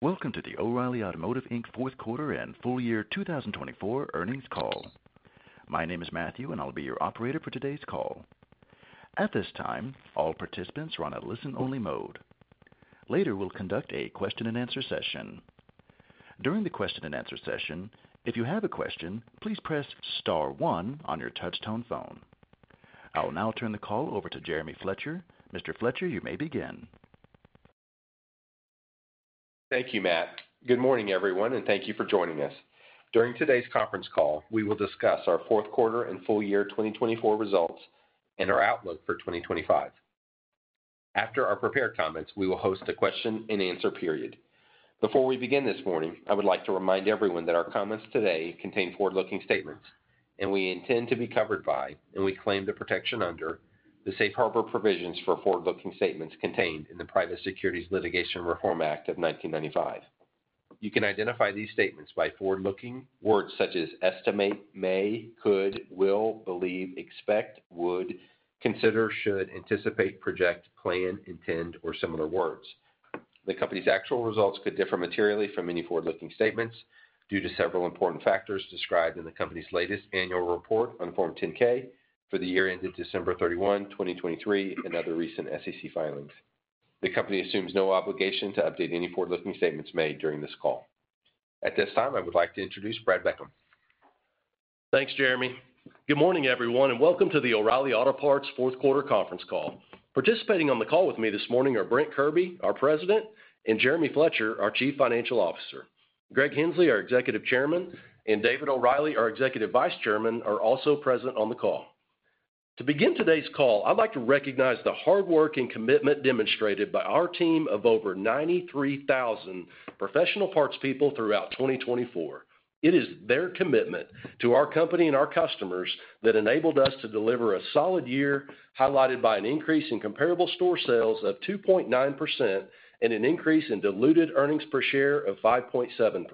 Welcome to the O'Reilly Automotive, Inc. Fourth Quarter and Full Year 2024 earnings call. My name is Matthew, and I'll be your operator for today's call. At this time, all participants are on a listen-only mode. Later, we'll conduct a question-and-answer session. During the question-and-answer session, if you have a question, please press star one on your touch-tone phone. I'll now turn the call over to Jeremy Fletcher. Mr. Fletcher, you may begin. Thank you, Matt. Good morning, everyone, and thank you for joining us. During today's conference call, we will discuss our fourth quarter and full year 2024 results and our outlook for 2025. After our prepared comments, we will host a question-and-answer period. Before we begin this morning, I would like to remind everyone that our comments today contain forward-looking statements, and we intend to be covered by, and we claim the protection under, the safe harbor provisions for forward-looking statements contained in the Private Securities Litigation Reform Act of 1995. You can identify these statements by forward-looking words such as estimate, may, could, will, believe, expect, would, consider, should, anticipate, project, plan, intend, or similar words. The company's actual results could differ materially from any forward-looking statements due to several important factors described in the company's latest annual report on Form 10-K for the year ended December 31, 2023, and other recent SEC filings. The company assumes no obligation to update any forward-looking statements made during this call. At this time, I would like to introduce Brad Beckham. Thanks, Jeremy. Good morning, everyone, and welcome to the O'Reilly Auto Parts Q4 Conference Call. Participating on the call with me this morning are Brent Kirby, our President, and Jeremy Fletcher, our Chief Financial Officer. Greg Henslee our Executive Chairman, and David O'Reilly, our Executive Vice Chairman, are also present on the call. To begin today's call, I'd like to recognize the hard work and commitment demonstrated by our team of over 93,000 professional parts people throughout 2024. It is their commitment to our company and our customers that enabled us to deliver a solid year highlighted by an increase in comparable store sales of 2.9% and an increase in diluted earnings per share of 5.7%.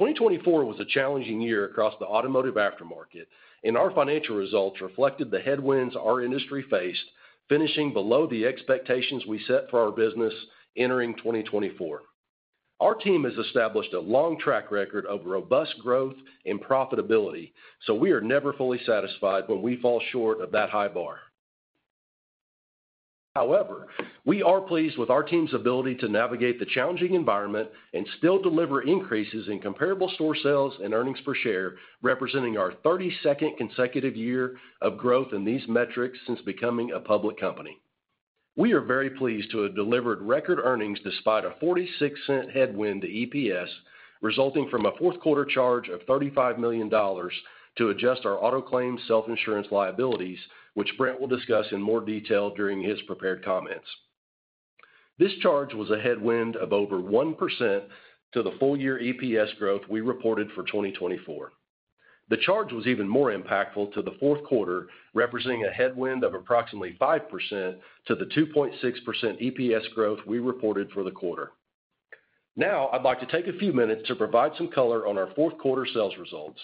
2024 was a challenging year across the automotive aftermarket, and our financial results reflected the headwinds our industry faced, finishing below the expectations we set for our business entering 2024. Our team has established a long track record of robust growth and profitability, so we are never fully satisfied when we fall short of that high bar. However, we are pleased with our team's ability to navigate the challenging environment and still deliver increases in comparable store sales and earnings per share, representing our 32nd consecutive year of growth in these metrics since becoming a public company. We are very pleased to have delivered record earnings despite a $0.46 headwind to EPS resulting from a fourth quarter charge of $35 million to adjust our auto claims self-insurance liabilities, which Brent will discuss in more detail during his prepared comments. This charge was a headwind of over 1% to the full year EPS growth we reported for 2024. The charge was even more impactful to the fourth quarter, representing a headwind of approximately 5% to the 2.6% EPS growth we reported for the quarter. Now, I'd like to take a few minutes to provide some color on our fourth quarter sales results.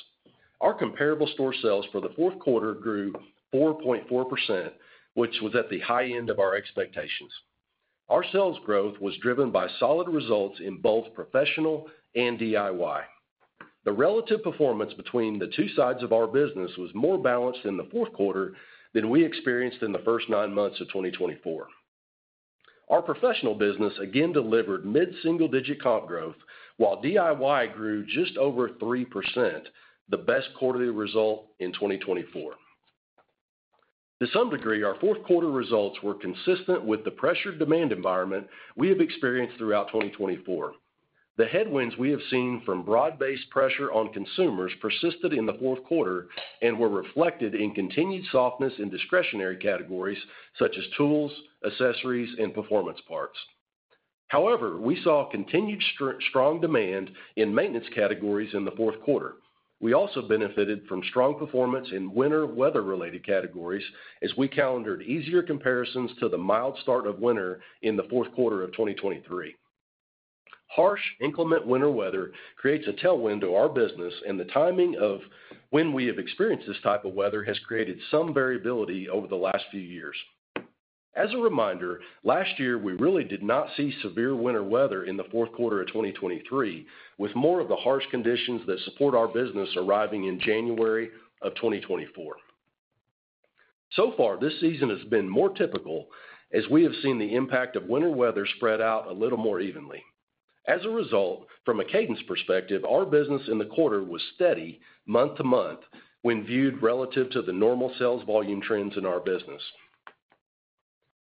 Our comparable store sales for the fourth quarter grew 4.4%, which was at the high end of our expectations. Our sales growth was driven by solid results in both professional and DIY. The relative performance between the two sides of our business was more balanced in the fourth quarter than we experienced in the first nine months of 2024. Our professional business again delivered mid-single digit comp growth, while DIY grew just over 3%, the best quarterly result in 2024. To some degree, our fourth quarter results were consistent with the pressured demand environment we have experienced throughout 2024. The headwinds we have seen from broad-based pressure on consumers persisted in the fourth quarter and were reflected in continued softness in discretionary categories such as tools, accessories, and performance parts. However, we saw continued strong demand in maintenance categories in the fourth quarter. We also benefited from strong performance in winter weather-related categories as we calendared easier comparisons to the mild start of winter in the fourth quarter of 2023. Harsh, inclement winter weather creates a tailwind to our business, and the timing of when we have experienced this type of weather has created some variability over the last few years. As a reminder, last year we really did not see severe winter weather in the fourth quarter of 2023, with more of the harsh conditions that support our business arriving in January of 2024. So far, this season has been more typical as we have seen the impact of winter weather spread out a little more evenly. As a result, from a cadence perspective, our business in the quarter was steady month to month when viewed relative to the normal sales volume trends in our business.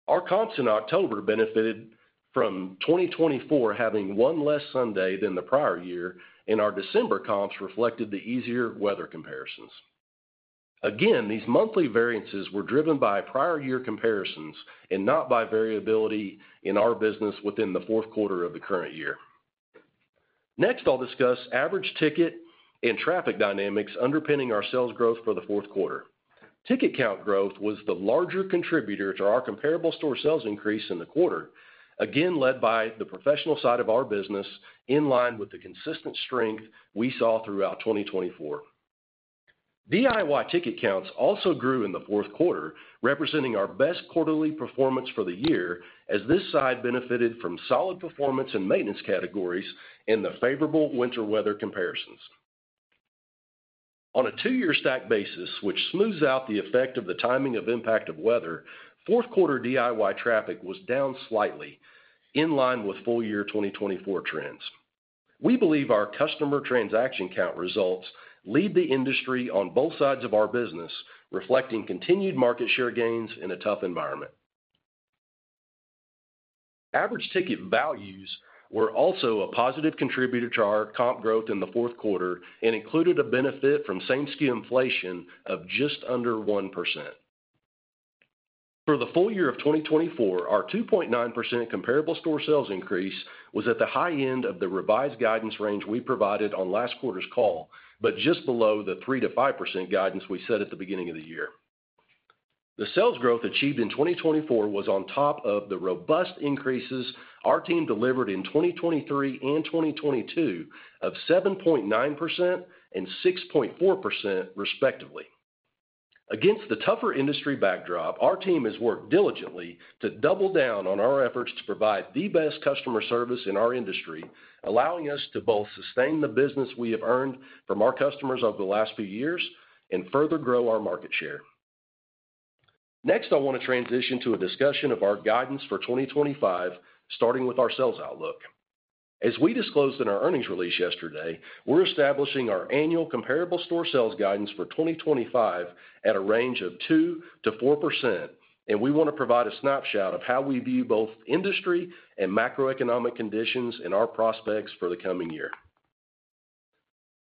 Our comps in October benefited from 2024 having one less Sunday than the prior year, and our December comps reflected the easier weather comparisons. Again, these monthly variances were driven by prior year comparisons and not by variability in our business within the fourth quarter of the current year. Next, I'll discuss average ticket and traffic dynamics underpinning our sales growth for the Q4. Ticket count growth was the larger contributor to our comparable store sales increase in the quarter, again led by the professional side of our business in line with the consistent strength we saw throughout 2024. DIY ticket counts also grew in the Q4, representing our best quarterly performance for the year as this side benefited from solid performance in maintenance categories and the favorable winter weather comparisons. On a two-year stack basis, which smooths out the effect of the timing of impact of weather, Q4 DIY traffic was down slightly in line with full year 2024 trends. We believe our customer transaction count results lead the industry on both sides of our business, reflecting continued market share gains in a tough environment. Average ticket values were also a positive contributor to our comp growth in the fourth quarter and included a benefit from same-SKU inflation of just under 1%. For the full year of 2024, our 2.9% comparable store sales increase was at the high end of the revised guidance range we provided on last quarter's call, but just below the 3%-5% guidance we set at the beginning of the year. The sales growth achieved in 2024 was on top of the robust increases our team delivered in 2023 and 2022 of 7.9% and 6.4% respectively. Against the tougher industry backdrop, our team has worked diligently to double down on our efforts to provide the best customer service in our industry, allowing us to both sustain the business we have earned from our customers over the last few years and further grow our market share. Next, I want to transition to a discussion of our guidance for 2025, starting with our sales outlook. As we disclosed in our earnings release yesterday, we're establishing our annual comparable store sales guidance for 2025 at a range of 2%-4%, and we want to provide a snapshot of how we view both industry and macroeconomic conditions and our prospects for the coming year.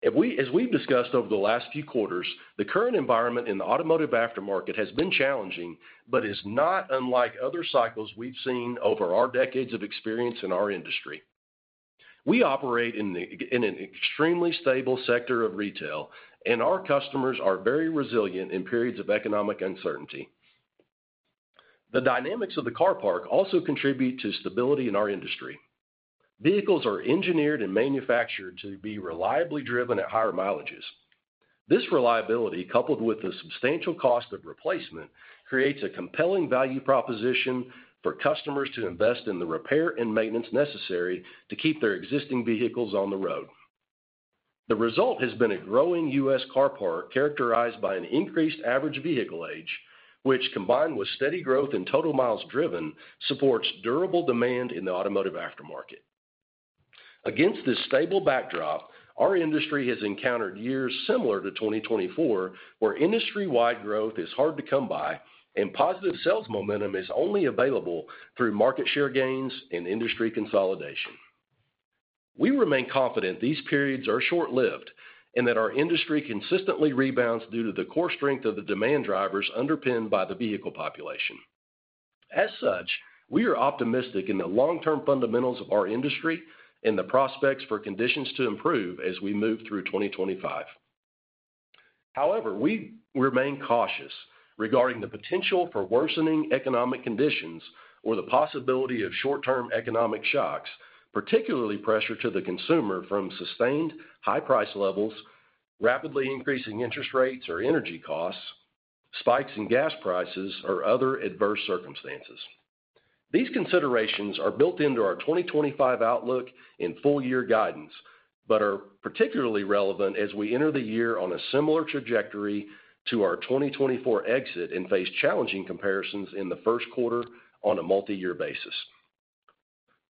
As we've discussed over the last few quarters, the current environment in the automotive aftermarket has been challenging, but is not unlike other cycles we've seen over our decades of experience in our industry. We operate in an extremely stable sector of retail, and our customers are very resilient in periods of economic uncertainty. The dynamics of the car park also contribute to stability in our industry. Vehicles are engineered and manufactured to be reliably driven at higher mileages. This reliability, coupled with the substantial cost of replacement, creates a compelling value proposition for customers to invest in the repair and maintenance necessary to keep their existing vehicles on the road. The result has been a growing U.S. car park characterized by an increased average vehicle age, which, combined with steady growth in total miles driven, supports durable demand in the automotive aftermarket. Against this stable backdrop, our industry has encountered years similar to 2024, where industry-wide growth is hard to come by and positive sales momentum is only available through market share gains and industry consolidation. We remain confident these periods are short-lived and that our industry consistently rebounds due to the core strength of the demand drivers underpinned by the vehicle population. As such, we are optimistic in the long-term fundamentals of our industry and the prospects for conditions to improve as we move through 2025. However, we remain cautious regarding the potential for worsening economic conditions or the possibility of short-term economic shocks, particularly pressure to the consumer from sustained high price levels, rapidly increasing interest rates or energy costs, spikes in gas prices, or other adverse circumstances. These considerations are built into our 2025 outlook and full year guidance, but are particularly relevant as we enter the year on a similar trajectory to our 2024 exit and face challenging comparisons in the first quarter on a multi-year basis.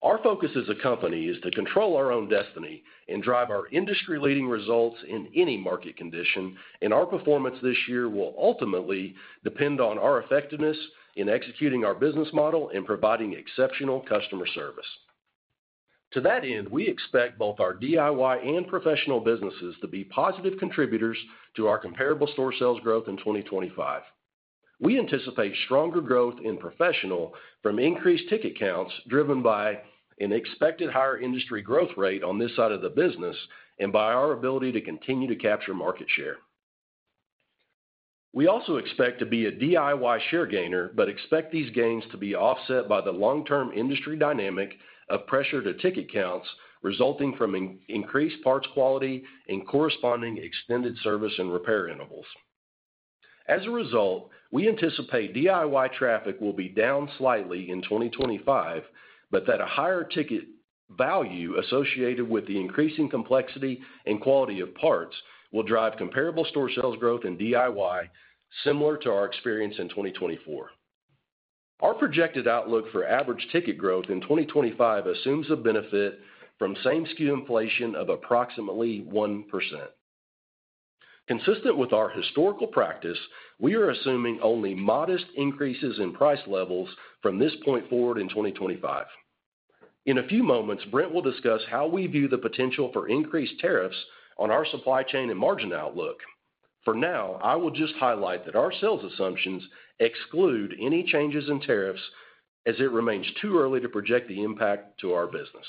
Our focus as a company is to control our own destiny and drive our industry-leading results in any market condition, and our performance this year will ultimately depend on our effectiveness in executing our business model and providing exceptional customer service. To that end, we expect both our DIY and professional businesses to be positive contributors to our comparable store sales growth in 2025. We anticipate stronger growth in professional from increased ticket counts driven by an expected higher industry growth rate on this side of the business and by our ability to continue to capture market share. We also expect to be a DIY share gainer, but expect these gains to be offset by the long-term industry dynamic of pressure to ticket counts resulting from increased parts quality and corresponding extended service and repair intervals. As a result, we anticipate DIY traffic will be down slightly in 2025, but that a higher ticket value associated with the increasing complexity and quality of parts will drive comparable store sales growth in DIY, similar to our experience in 2024. Our projected outlook for average ticket growth in 2025 assumes a benefit from same-SKU inflation of approximately 1%. Consistent with our historical practice, we are assuming only modest increases in price levels from this point forward in 2025. In a few moments, Brent will discuss how we view the potential for increased tariffs on our supply chain and margin outlook. For now, I will just highlight that our sales assumptions exclude any changes in tariffs as it remains too early to project the impact to our business.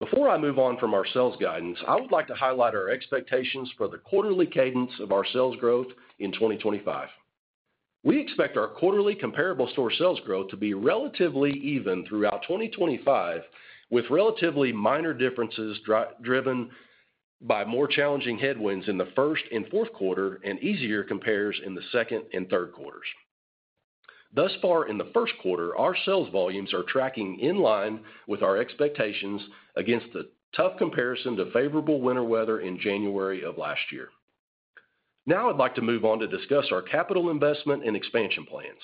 Before I move on from our sales guidance, I would like to highlight our expectations for the quarterly cadence of our sales growth in 2025. We expect our quarterly comparable store sales growth to be relatively even throughout 2025, with relatively minor differences driven by more challenging headwinds in the first and fourth quarter and easier comparisons in the second and third quarters. Thus far, in the first quarter, our sales volumes are tracking in line with our expectations against the tough comparison to favorable winter weather in January of last year. Now, I'd like to move on to discuss our capital investment and expansion plans.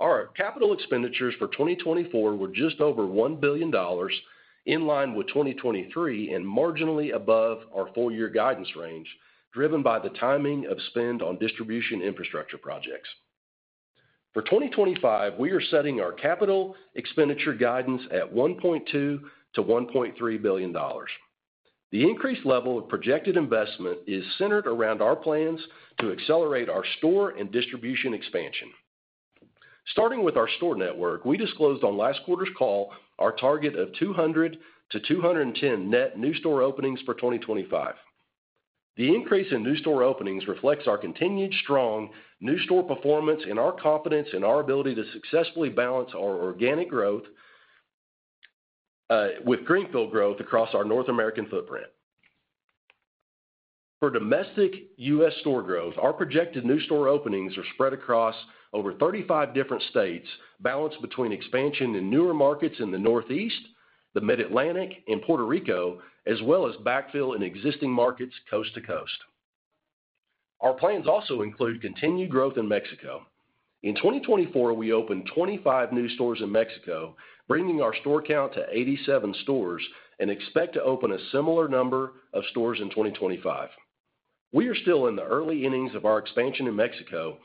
Our capital expenditures for 2024 were just over $1 billion in line with 2023 and marginally above our full year guidance range, driven by the timing of spend on distribution infrastructure projects. For 2025, we are setting our capital expenditure guidance at $1.2 billion-$1.3 billion. The increased level of projected investment is centered around our plans to accelerate our store and distribution expansion. Starting with our store network, we disclosed on last quarter's call our target of 200-210 net new store openings for 2025. The increase in new store openings reflects our continued strong new store performance and our confidence in our ability to successfully balance our organic growth with Greenfield growth across our North American footprint. For domestic U.S. store growth, our projected new store openings are spread across over 35 different states, balanced between expansion in newer markets in the Northeast, the Mid-Atlantic, and Puerto Rico, as well as backfill in existing markets coast to coast. Our plans also include continued growth in Mexico. In 2024, we opened 25 new stores in Mexico, bringing our store count to 87 stores and expect to open a similar number of stores in 2025. We are still in the early innings of our expansion in Mexico,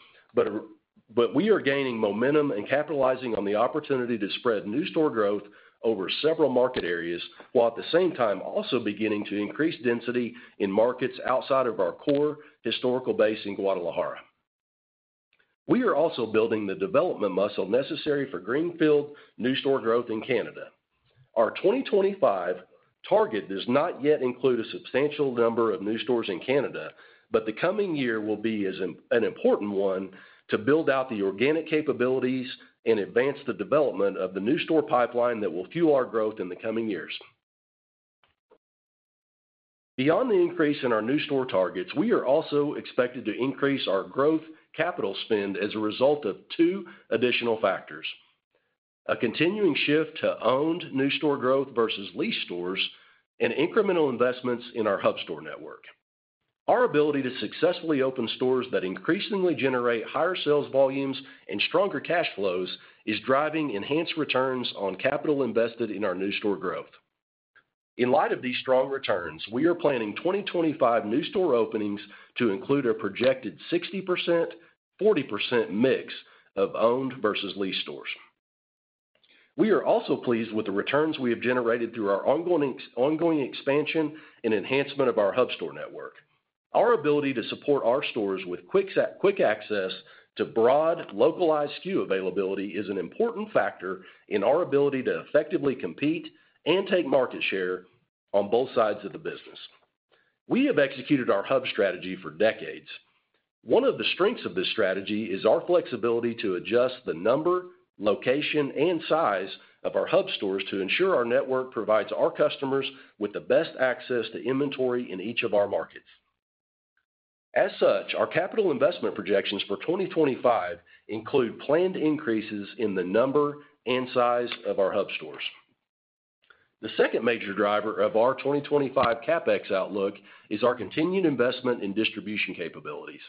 but we are gaining momentum and capitalizing on the opportunity to spread new store growth over several market areas, while at the same time also beginning to increase density in markets outside of our core historical base in Guadalajara. We are also building the development muscle necessary for greenfield new store growth in Canada. Our 2025 target does not yet include a substantial number of new stores in Canada, but the coming year will be an important one to build out the organic capabilities and advance the development of the new store pipeline that will fuel our growth in the coming years. Beyond the increase in our new store targets, we are also expected to increase our growth capital spend as a result of two additional factors: a continuing shift to owned new store growth versus leased stores and incremental investments in our hub store network. Our ability to successfully open stores that increasingly generate higher sales volumes and stronger cash flows is driving enhanced returns on capital invested in our new store growth. In light of these strong returns, we are planning 2025 new store openings to include a projected 60%-40% mix of owned versus leased stores. We are also pleased with the returns we have generated through our ongoing expansion and enhancement of our hub store network. Our ability to support our stores with quick access to broad localized SKU availability is an important factor in our ability to effectively compete and take market share on both sides of the business. We have executed our hub strategy for decades. One of the strengths of this strategy is our flexibility to adjust the number, location, and size of our hub stores to ensure our network provides our customers with the best access to inventory in each of our markets. As such, our capital investment projections for 2025 include planned increases in the number and size of our hub stores. The second major driver of our 2025 CapEx outlook is our continued investment in distribution capabilities.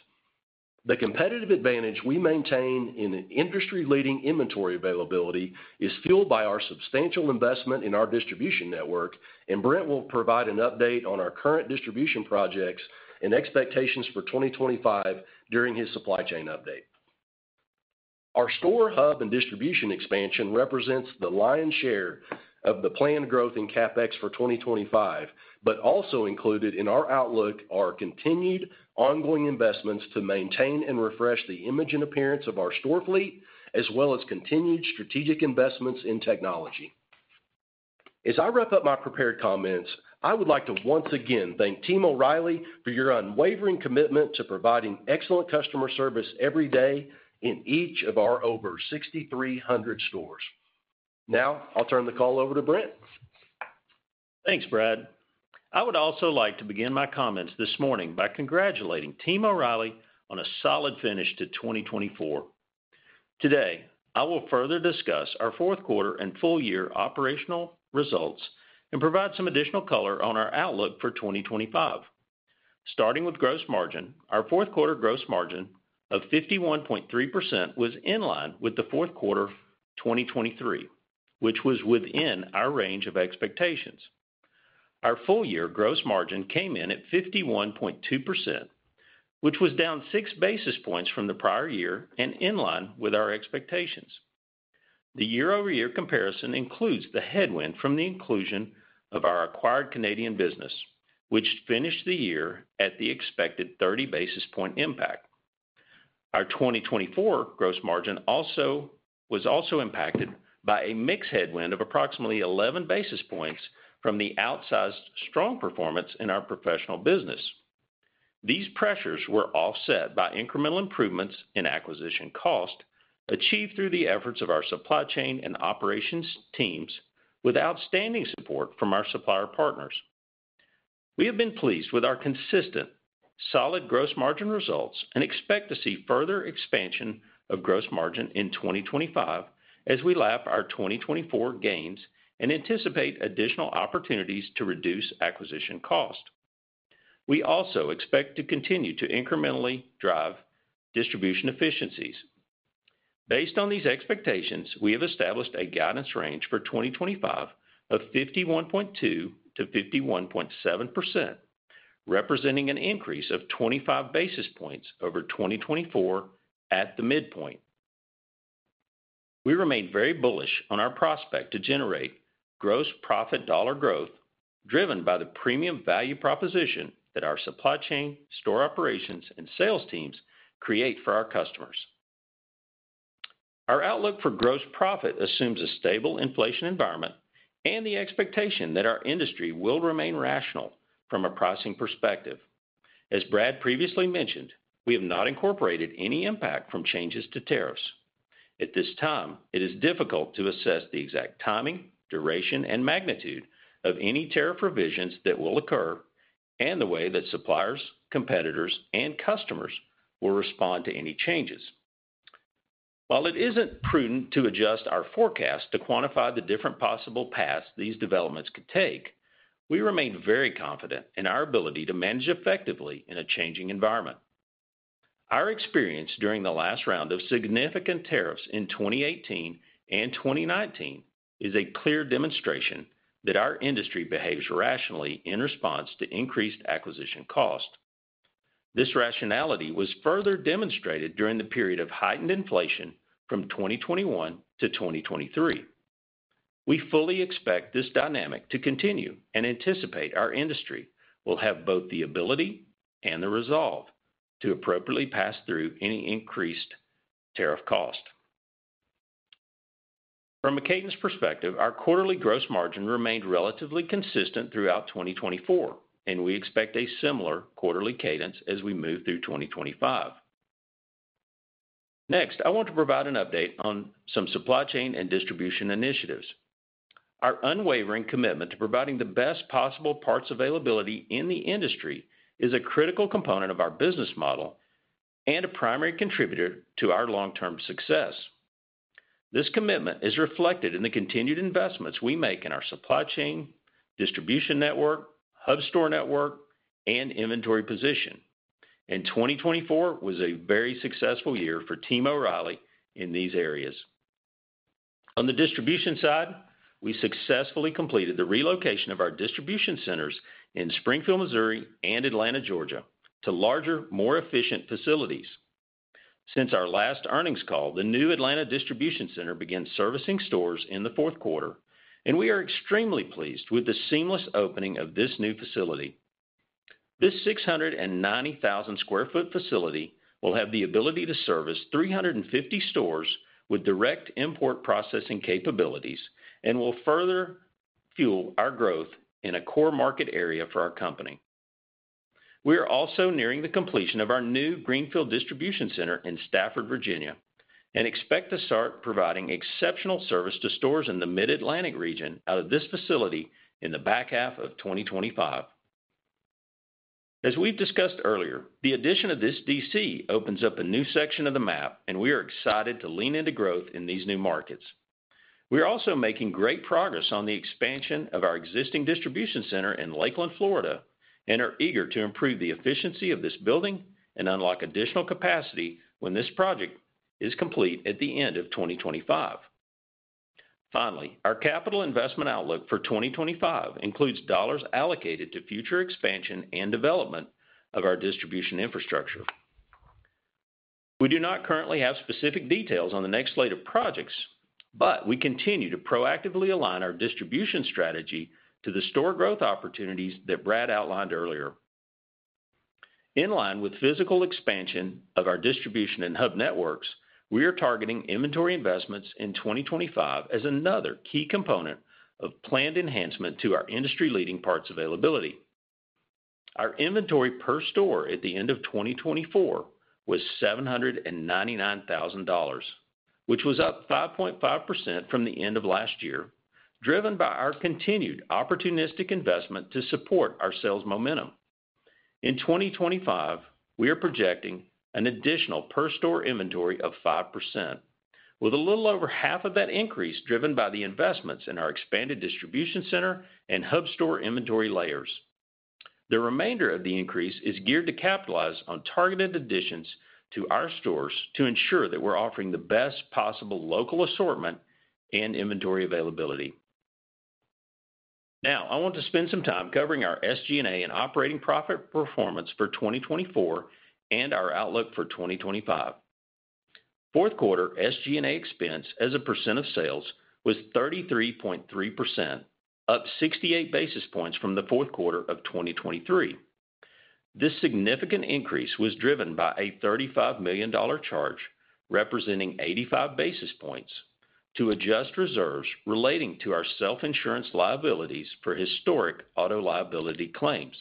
The competitive advantage we maintain in industry-leading inventory availability is fueled by our substantial investment in our distribution network, and Brent will provide an update on our current distribution projects and expectations for 2025 during his supply chain update. Our store, hub, and distribution expansion represents the lion's share of the planned growth in CapEx for 2025, but also included in our outlook are continued ongoing investments to maintain and refresh the image and appearance of our store fleet, as well as continued strategic investments in technology. As I wrap up my prepared comments, I would like to once again thank Team O'Reilly for your unwavering commitment to providing excellent customer service every day in each of our over 6,300 stores. Now, I'll turn the call over to Brent. Thanks, Brad. I would also like to begin my comments this morning by congratulating Team O'Reilly on a solid finish to 2024. Today, I will further discuss our fourth quarter and full year operational results and provide some additional color on our outlook for 2025. Starting with gross margin, our fourth quarter gross margin of 51.3% was in line with the fourth quarter 2023, which was within our range of expectations. Our full year gross margin came in at 51.2%, which was down six basis points from the prior year and in line with our expectations. The year-over-year comparison includes the headwind from the inclusion of our acquired Canadian business, which finished the year at the expected 30 basis point impact. Our 2024 gross margin was also impacted by a mixed headwind of approximately 11 basis points from the outsized strong performance in our professional business. These pressures were offset by incremental improvements in acquisition cost achieved through the efforts of our supply chain and operations teams with outstanding support from our supplier partners. We have been pleased with our consistent, solid gross margin results and expect to see further expansion of gross margin in 2025 as we lap our 2024 gains and anticipate additional opportunities to reduce acquisition cost. We also expect to continue to incrementally drive distribution efficiencies. Based on these expectations, we have established a guidance range for 2025 of 51.2%-51.7%, representing an increase of 25 basis points over 2024 at the midpoint. We remain very bullish on our prospect to generate gross profit dollar growth driven by the premium value proposition that our supply chain, store operations, and sales teams create for our customers. Our outlook for gross profit assumes a stable inflation environment and the expectation that our industry will remain rational from a pricing perspective. As Brad previously mentioned, we have not incorporated any impact from changes to tariffs. At this time, it is difficult to assess the exact timing, duration, and magnitude of any tariff revisions that will occur and the way that suppliers, competitors, and customers will respond to any changes. While it isn't prudent to adjust our forecast to quantify the different possible paths these developments could take, we remain very confident in our ability to manage effectively in a changing environment. Our experience during the last round of significant tariffs in 2018 and 2019 is a clear demonstration that our industry behaves rationally in response to increased acquisition cost. This rationality was further demonstrated during the period of heightened inflation from 2021 to 2023. We fully expect this dynamic to continue and anticipate our industry will have both the ability and the resolve to appropriately pass through any increased tariff cost. From a cadence perspective, our quarterly gross margin remained relatively consistent throughout 2024, and we expect a similar quarterly cadence as we move through 2025. Next, I want to provide an update on some supply chain and distribution initiatives. Our unwavering commitment to providing the best possible parts availability in the industry is a critical component of our business model and a primary contributor to our long-term success. This commitment is reflected in the continued investments we make in our supply chain, distribution network, hub store network, and inventory position. And 2024 was a very successful year for Team O'Reilly in these areas. On the distribution side, we successfully completed the relocation of our distribution centers in Springfield, Missouri, and Atlanta, Georgia, to larger, more efficient facilities. Since our last earnings call, the new Atlanta distribution center began servicing stores in the fourth quarter, and we are extremely pleased with the seamless opening of this new facility. This 690,000 sq ft facility will have the ability to service 350 stores with direct import processing capabilities and will further fuel our growth in a core market area for our company. We are also nearing the completion of our new Greenfield distribution center in Stafford, Virginia, and expect to start providing exceptional service to stores in the Mid-Atlantic region out of this facility in the back half of 2025. As we've discussed earlier, the addition of this DC opens up a new section of the map, and we are excited to lean into growth in these new markets. We are also making great progress on the expansion of our existing distribution center in Lakeland, Florida, and are eager to improve the efficiency of this building and unlock additional capacity when this project is complete at the end of 2025. Finally, our capital investment outlook for 2025 includes dollars allocated to future expansion and development of our distribution infrastructure. We do not currently have specific details on the next slate of projects, but we continue to proactively align our distribution strategy to the store growth opportunities that Brad outlined earlier. In line with physical expansion of our distribution and hub networks, we are targeting inventory investments in 2025 as another key component of planned enhancement to our industry-leading parts availability. Our inventory per store at the end of 2024 was $799,000, which was up 5.5% from the end of last year, driven by our continued opportunistic investment to support our sales momentum. In 2025, we are projecting an additional per store inventory of 5%, with a little over half of that increase driven by the investments in our expanded distribution center and hub store inventory layers. The remainder of the increase is geared to capitalize on targeted additions to our stores to ensure that we're offering the best possible local assortment and inventory availability. Now, I want to spend some time covering our SG&A and operating profit performance for 2024 and our outlook for 2025. Fourth quarter SG&A expense as a percent of sales was 33.3%, up 68 basis points from the fourth quarter of 2023. This significant increase was driven by a $35 million charge, representing 85 basis points, to adjust reserves relating to our self-insurance liabilities for historic auto liability claims.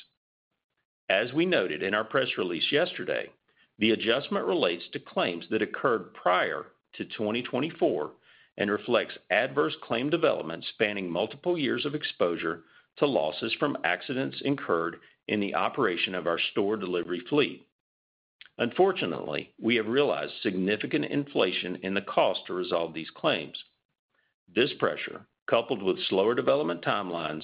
As we noted in our press release yesterday, the adjustment relates to claims that occurred prior to 2024 and reflects adverse claim development spanning multiple years of exposure to losses from accidents incurred in the operation of our store delivery fleet. Unfortunately, we have realized significant inflation in the cost to resolve these claims. This pressure, coupled with slower development timelines,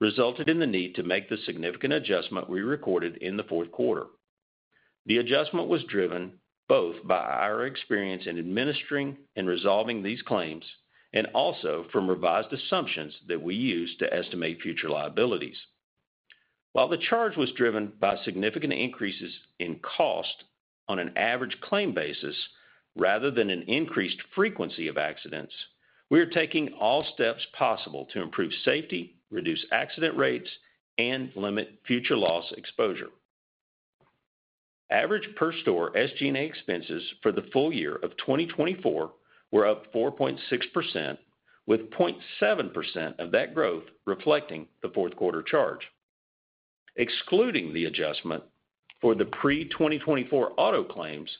resulted in the need to make the significant adjustment we recorded in the fourth quarter. The adjustment was driven both by our experience in administering and resolving these claims and also from revised assumptions that we use to estimate future liabilities. While the charge was driven by significant increases in cost on an average claim basis rather than an increased frequency of accidents, we are taking all steps possible to improve safety, reduce accident rates, and limit future loss exposure. Average per store SG&A expenses for the full year of 2024 were up 4.6%, with 0.7% of that growth reflecting the fourth quarter charge. Excluding the adjustment for the pre-2024 auto claims,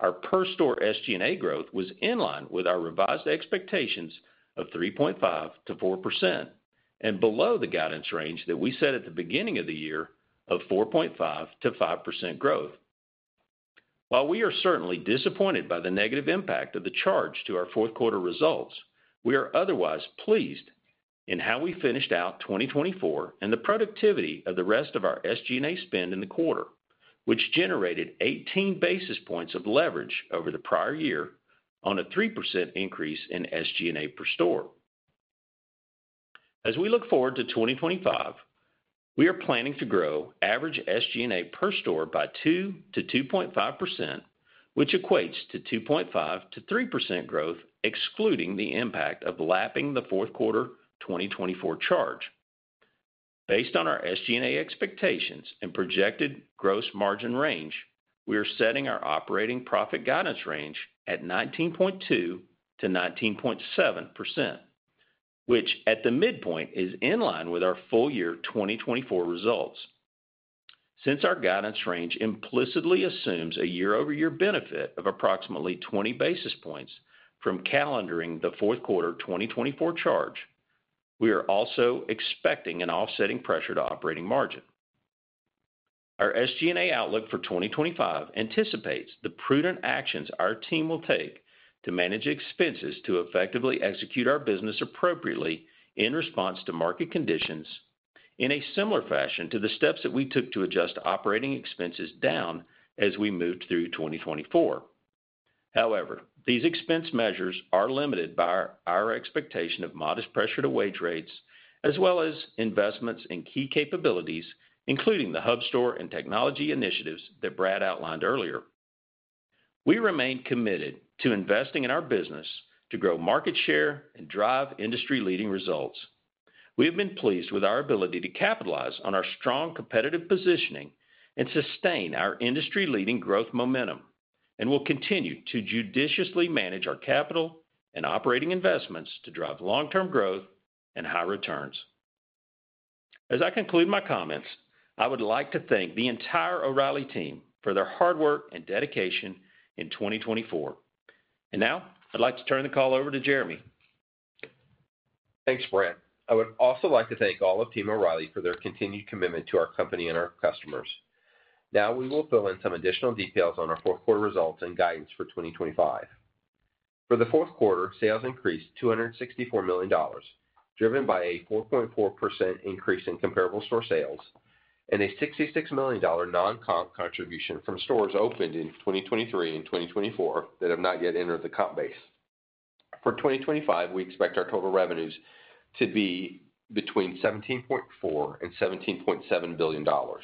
our per store SG&A growth was in line with our revised expectations of 3.5%-4% and below the guidance range that we set at the beginning of the year of 4.5%-5% growth. While we are certainly disappointed by the negative impact of the charge to our fourth quarter results, we are otherwise pleased in how we finished out 2024 and the productivity of the rest of our SG&A spend in the quarter, which generated 18 basis points of leverage over the prior year on a 3% increase in SG&A per store. As we look forward to 2025, we are planning to grow average SG&A per store by 2% to 2.5%, which equates to 2.5% to 3% growth excluding the impact of lapping the fourth quarter 2024 charge. Based on our SG&A expectations and projected gross margin range, we are setting our operating profit guidance range at 19.2% to 19.7%, which at the midpoint is in line with our full year 2024 results. Since our guidance range implicitly assumes a year-over-year benefit of approximately 20 basis points from calendaring the fourth quarter 2024 charge, we are also expecting an offsetting pressure to operating margin. Our SG&A outlook for 2025 anticipates the prudent actions our team will take to manage expenses to effectively execute our business appropriately in response to market conditions in a similar fashion to the steps that we took to adjust operating expenses down as we moved through 2024. However, these expense measures are limited by our expectation of modest pressure to wage rates, as well as investments in key capabilities, including the hub store and technology initiatives that Brad outlined earlier. We remain committed to investing in our business to grow market share and drive industry-leading results. We have been pleased with our ability to capitalize on our strong competitive positioning and sustain our industry-leading growth momentum, and we'll continue to judiciously manage our capital and operating investments to drive long-term growth and high returns. As I conclude my comments, I would like to thank the entire O'Reilly team for their hard work and dedication in 2024. And now, I'd like to turn the call over to Jeremy. Thanks, Brent. I would also like to thank all of Team O'Reilly for their continued commitment to our company and our customers. Now, we will fill in some additional details on our fourth quarter results and guidance for 2025. For the fourth quarter, sales increased $264 million, driven by a 4.4% increase in comparable store sales and a $66 million non-comp contribution from stores opened in 2023 and 2024 that have not yet entered the comp base. For 2025, we expect our total revenues to be between $17.4 billion and $17.7 billion. Our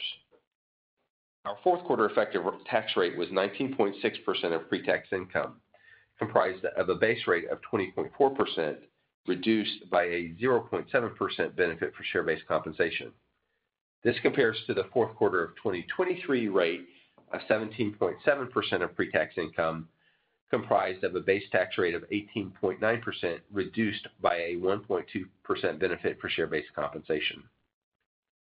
Q4 effective tax rate was 19.6% of pre-tax income, comprised of a base rate of 20.4%, reduced by a 0.7% benefit for share-based compensation. This compares to the Q4 of 2023 rate of 17.7% of pre-tax income, comprised of a base tax rate of 18.9%, reduced by a 1.2% benefit for share-based compensation.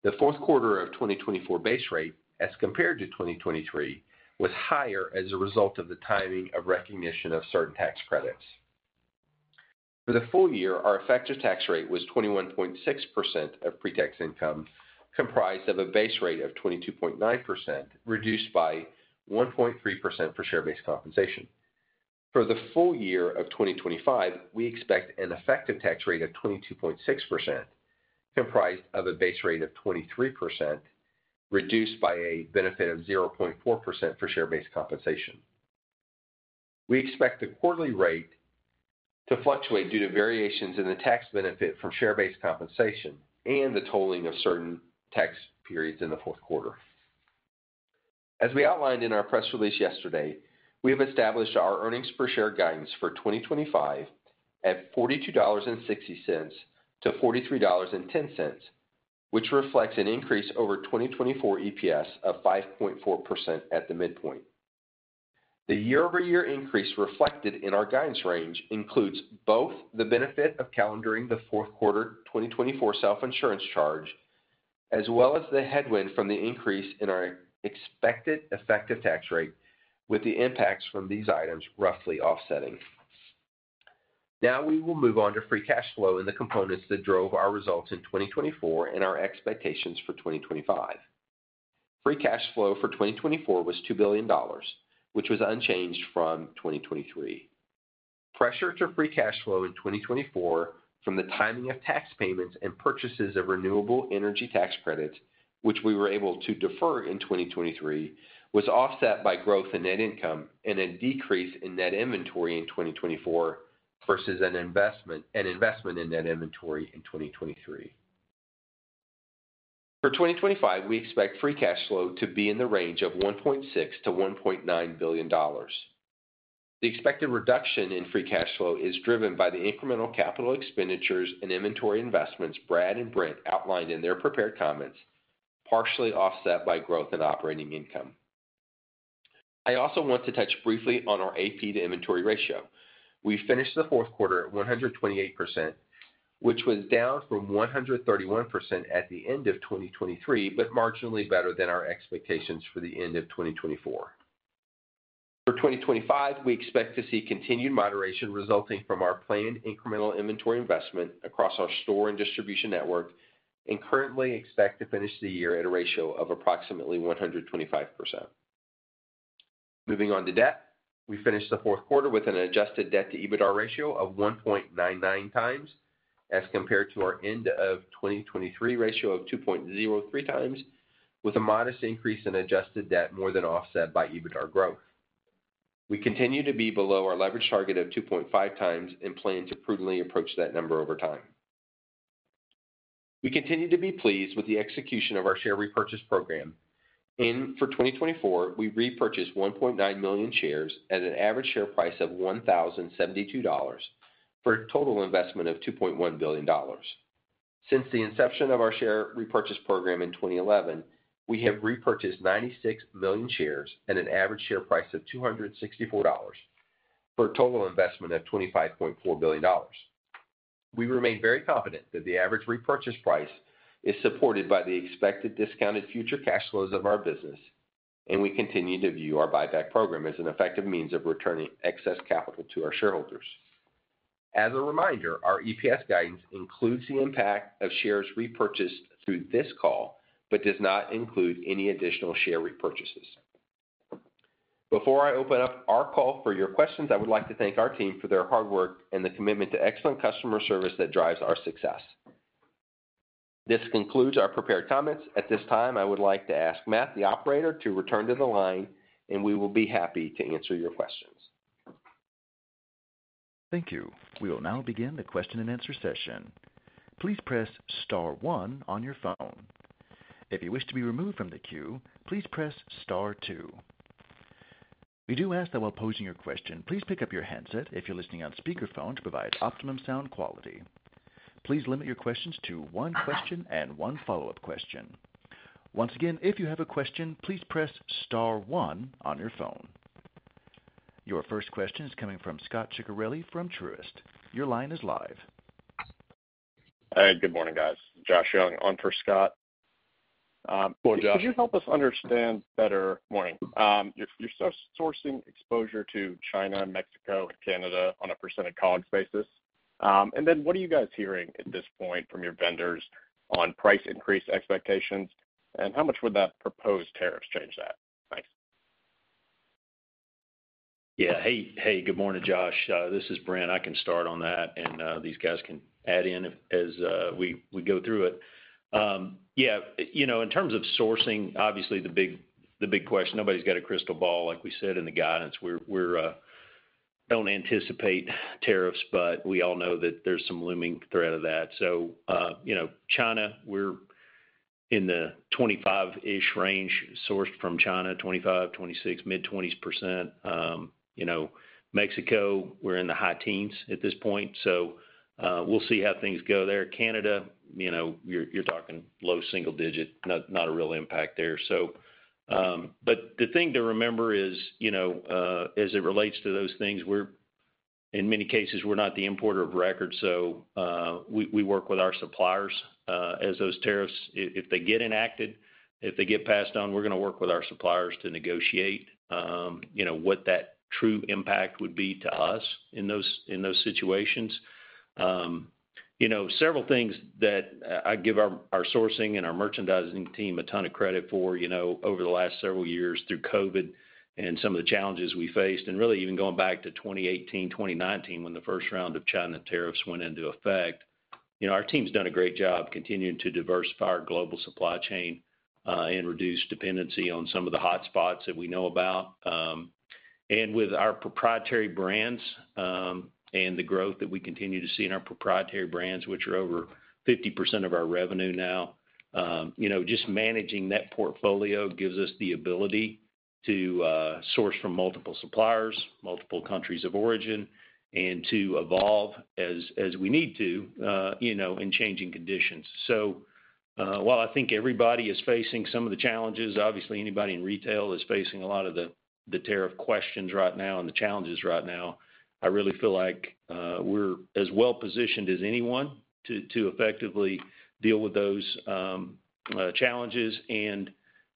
The Q4 of 2024 base rate, as compared to 2023, was higher as a result of the timing of recognition of certain tax credits. For the full year, our effective tax rate was 21.6% of pre-tax income, comprised of a base rate of 22.9%, reduced by 1.3% for share-based compensation. For the full year of 2025, we expect an effective tax rate of 22.6%, comprised of a base rate of 23%, reduced by a benefit of 0.4% for share-based compensation. We expect the quarterly rate to fluctuate due to variations in the tax benefit from share-based compensation and the tolling of certain tax periods in the Q4. As we outlined in our press release yesterday, we have established our earnings per share guidance for 2025 at $42.60-$43.10, which reflects an increase over 2024 EPS of 5.4% at the midpoint. The year-over-year increase reflected in our guidance range includes both the benefit of calendaring the fourth quarter 2024 self-insurance charge, as well as the headwind from the increase in our expected effective tax rate, with the impacts from these items roughly offsetting. Now, we will move on to free cash flow and the components that drove our results in 2024 and our expectations for 2025. Free cash flow for 2024 was $2 billion, which was unchanged from 2023. Pressure to free cash flow in 2024 from the timing of tax payments and purchases of renewable energy tax credits, which we were able to defer in 2023, was offset by growth in net income and a decrease in net inventory in 2024 versus an investment in net inventory in 2023. For 2025, we expect free cash flow to be in the range of $1.6 billion-$1.9 billion. The expected reduction in free cash flow is driven by the incremental capital expenditures and inventory investments Brad and Brent outlined in their prepared comments, partially offset by growth in operating income. I also want to touch briefly on our A/P to inventory ratio. We finished the Q4 at 128%, which was down from 131% at the end of 2023, but marginally better than our expectations for the end of 2024. For 2025, we expect to see continued moderation resulting from our planned incremental inventory investment across our store and distribution network, and currently expect to finish the year at a ratio of approximately 125%. Moving on to debt, we finished the Q4 with an adjusted debt to EBITDA ratio of 1.99x, as compared to our end-of-2023 ratio of 2.03x, with a modest increase in adjusted debt more than offset by EBITDA growth. We continue to be below our leverage target of 2.5x and plan to prudently approach that number over time. We continue to be pleased with the execution of our share repurchase program. In 2024, we repurchased 1.9 million shares at an average share price of $1,072 for a total investment of $2.1 billion. Since the inception of our share repurchase program in 2011, we have repurchased 96 million shares at an average share price of $264 for a total investment of $25.4 billion. We remain very confident that the average repurchase price is supported by the expected discounted future cash flows of our business, and we continue to view our buyback program as an effective means of returning excess capital to our shareholders. As a reminder, our EPS guidance includes the impact of shares repurchased through this call, but does not include any additional share repurchases. Before I open up our call for your questions, I would like to thank our team for their hard work and the commitment to excellent customer service that drives our success. This concludes our prepared comments. At this time, I would like to ask Matt, the operator, to return to the line, and we will be happy to answer your questions. Thank you. We will now begin the question and answer session. Please press Star one on your phone. If you wish to be removed from the queue, please press Star two. We do ask that while posing your question, please pick up your headset if you're listening on speakerphone to provide optimum sound quality. Please limit your questions to one question and one follow-up question. Once again, if you have a question, please press Star one on your phone. Your first question is coming from Scott Ciccarelli from Truist. Your line is live. Hey, good morning, guys. Josh Young on for Scott. Well, Josh, could you help us understand better? Morning. You're sourcing exposure to China, Mexico, and Canada on a percent of COGS basis. Then what are you guys hearing at this point from your vendors on price increase expectations, and how much would that proposed tariffs change that? Thanks. Yeah. Hey, good morning, Josh. This is Brent. I can start on that, and these guys can add in as we go through it. Yeah. In terms of sourcing, obviously the big question, nobody's got a crystal ball, like we said in the guidance. We don't anticipate tariffs, but we all know that there's some looming threat of that. So China, we're in the 25-ish range sourced from China, 25, 26, mid-20s%. Mexico, we're in the high teens at this point, so we'll see how things go there. Canada, you're talking low single digit, not a real impact there. But the thing to remember is, as it relates to those things, in many cases, we're not the importer of record, so we work with our suppliers as those tariffs, if they get enacted, if they get passed on, we're going to work with our suppliers to negotiate what that true impact would be to us in those situations. Several things that I give our sourcing and our merchandising team a ton of credit for over the last several years through COVID and some of the challenges we faced, and really even going back to 2018, 2019, when the first round of China tariffs went into effect, our team's done a great job continuing to diversify our global supply chain and reduce dependency on some of the hotspots that we know about. And with our proprietary brands and the growth that we continue to see in our proprietary brands, which are over 50% of our revenue now, just managing that portfolio gives us the ability to source from multiple suppliers, multiple countries of origin, and to evolve as we need to in changing conditions. So while I think everybody is facing some of the challenges, obviously anybody in retail is facing a lot of the tariff questions right now and the challenges right now, I really feel like we're as well positioned as anyone to effectively deal with those challenges and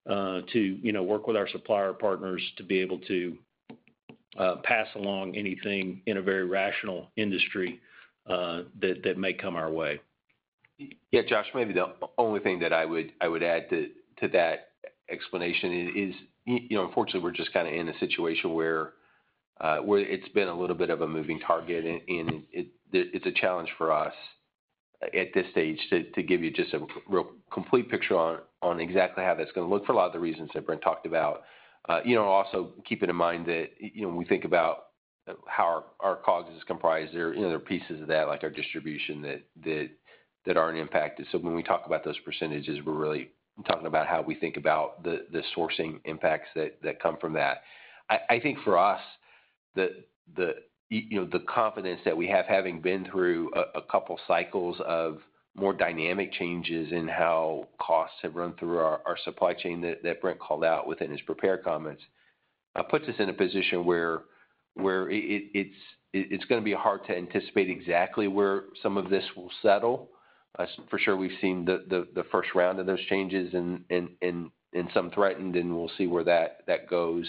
to work with our supplier partners to be able to pass along anything in a very rational industry that may come our way. Yeah, Josh, maybe the only thing that I would add to that explanation is, unfortunately, we're just kind of in a situation where it's been a little bit of a moving target, and it's a challenge for us at this stage to give you just a real complete picture on exactly how that's going to look for a lot of the reasons that Brent talked about. Also, keeping in mind that when we think about how our COGS is comprised, there are pieces of that, like our distribution, that are impacted. So when we talk about those percentages, we're really talking about how we think about the sourcing impacts that come from that. I think for us, the confidence that we have, having been through a couple cycles of more dynamic changes in how costs have run through our supply chain that Brent called out within his prepared comments, puts us in a position where it's going to be hard to anticipate exactly where some of this will settle. For sure, we've seen the first round of those changes and some threatened, and we'll see where that goes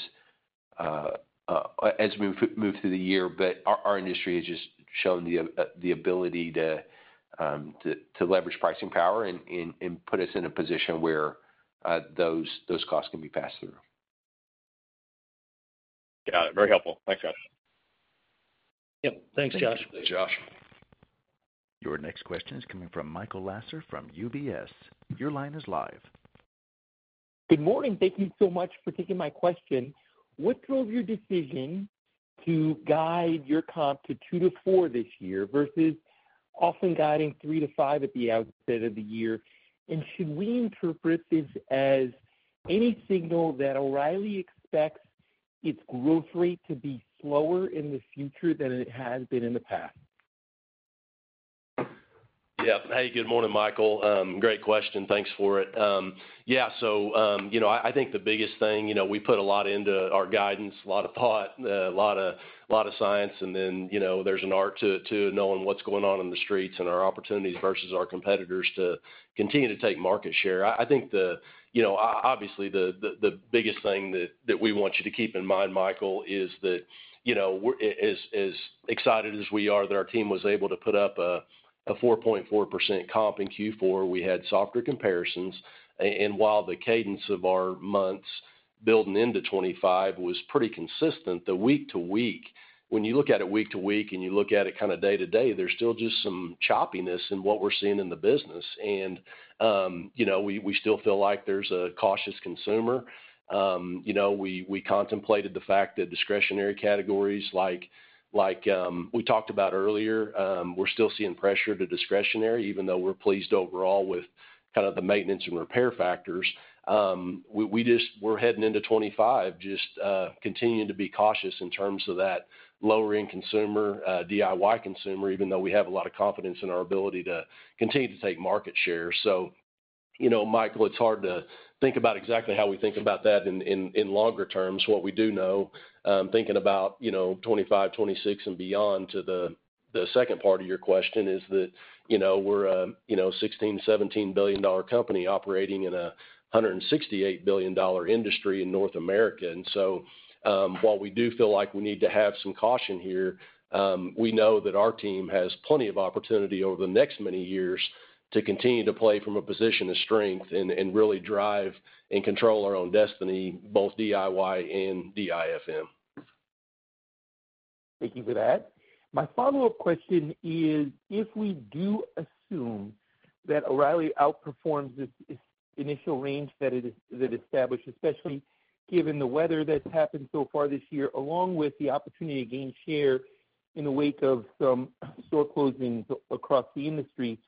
as we move through the year. But our industry has just shown the ability to leverage pricing power and put us in a position where those costs can be passed through. Got it. Very helpful. Thanks, Josh. Yep. Thanks, Josh. Thanks, Josh. Your next question is coming from Michael Lasser from UBS. Your line is live. Good morning. Thank you so much for taking my question. What drove your decision to guide your comp to 2%-4% this year versus often guiding 3%-5% at the outset of the year? And should we interpret this as any signal that O'Reilly expects its growth rate to be slower in the future than it has been in the past? Yeah. Hey, good morning, Michael. Great question. Thanks for it. Yeah. So I think the biggest thing, we put a lot into our guidance, a lot of thought, a lot of science, and then there's an art to knowing what's going on in the streets and our opportunities versus our competitors to continue to take market share. I think, obviously, the biggest thing that we want you to keep in mind, Michael, is that as excited as we are that our team was able to put up a 4.4% comp in Q4, we had softer comparisons. While the cadence of our months building into 2025 was pretty consistent, the week-to-week, when you look at it week-to-week and you look at it kind of day-to-day, there's still just some choppiness in what we're seeing in the business. We still feel like there's a cautious consumer. We contemplated the fact that discretionary categories, like we talked about earlier, we're still seeing pressure to discretionary, even though we're pleased overall with kind of the maintenance and repair factors. We're heading into 2025, just continuing to be cautious in terms of that lower-end consumer, DIY consumer, even though we have a lot of confidence in our ability to continue to take market share. So, Michael, it's hard to think about exactly how we think about that in longer terms. What we do know, thinking about 2025, 2026, and beyond to the second part of your question, is that we're a $16 billion-$17 billion company operating in a $168 billion industry in North America, and so while we do feel like we need to have some caution here, we know that our team has plenty of opportunity over the next many years to continue to play from a position of strength and really drive and control our own destiny, both DIY and DIFM. Thank you for that. My follow-up question is, if we do assume that O'Reilly outperforms this initial range that it established, especially given the weather that's happened so far this year, along with the opportunity to gain share in the wake of some store closings across the industry,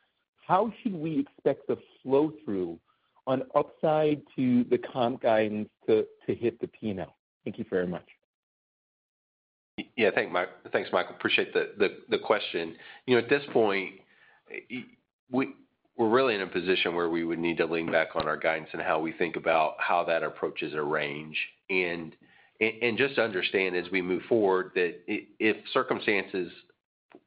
how should we expect the flow through on upside to the comp guidance to hit the P&L? Thank you very much. Yeah. Thanks, Michael. Appreciate the question. At this point, we're really in a position where we would need to lean back on our guidance and how we think about how that approaches a range. And just to understand as we move forward that if circumstances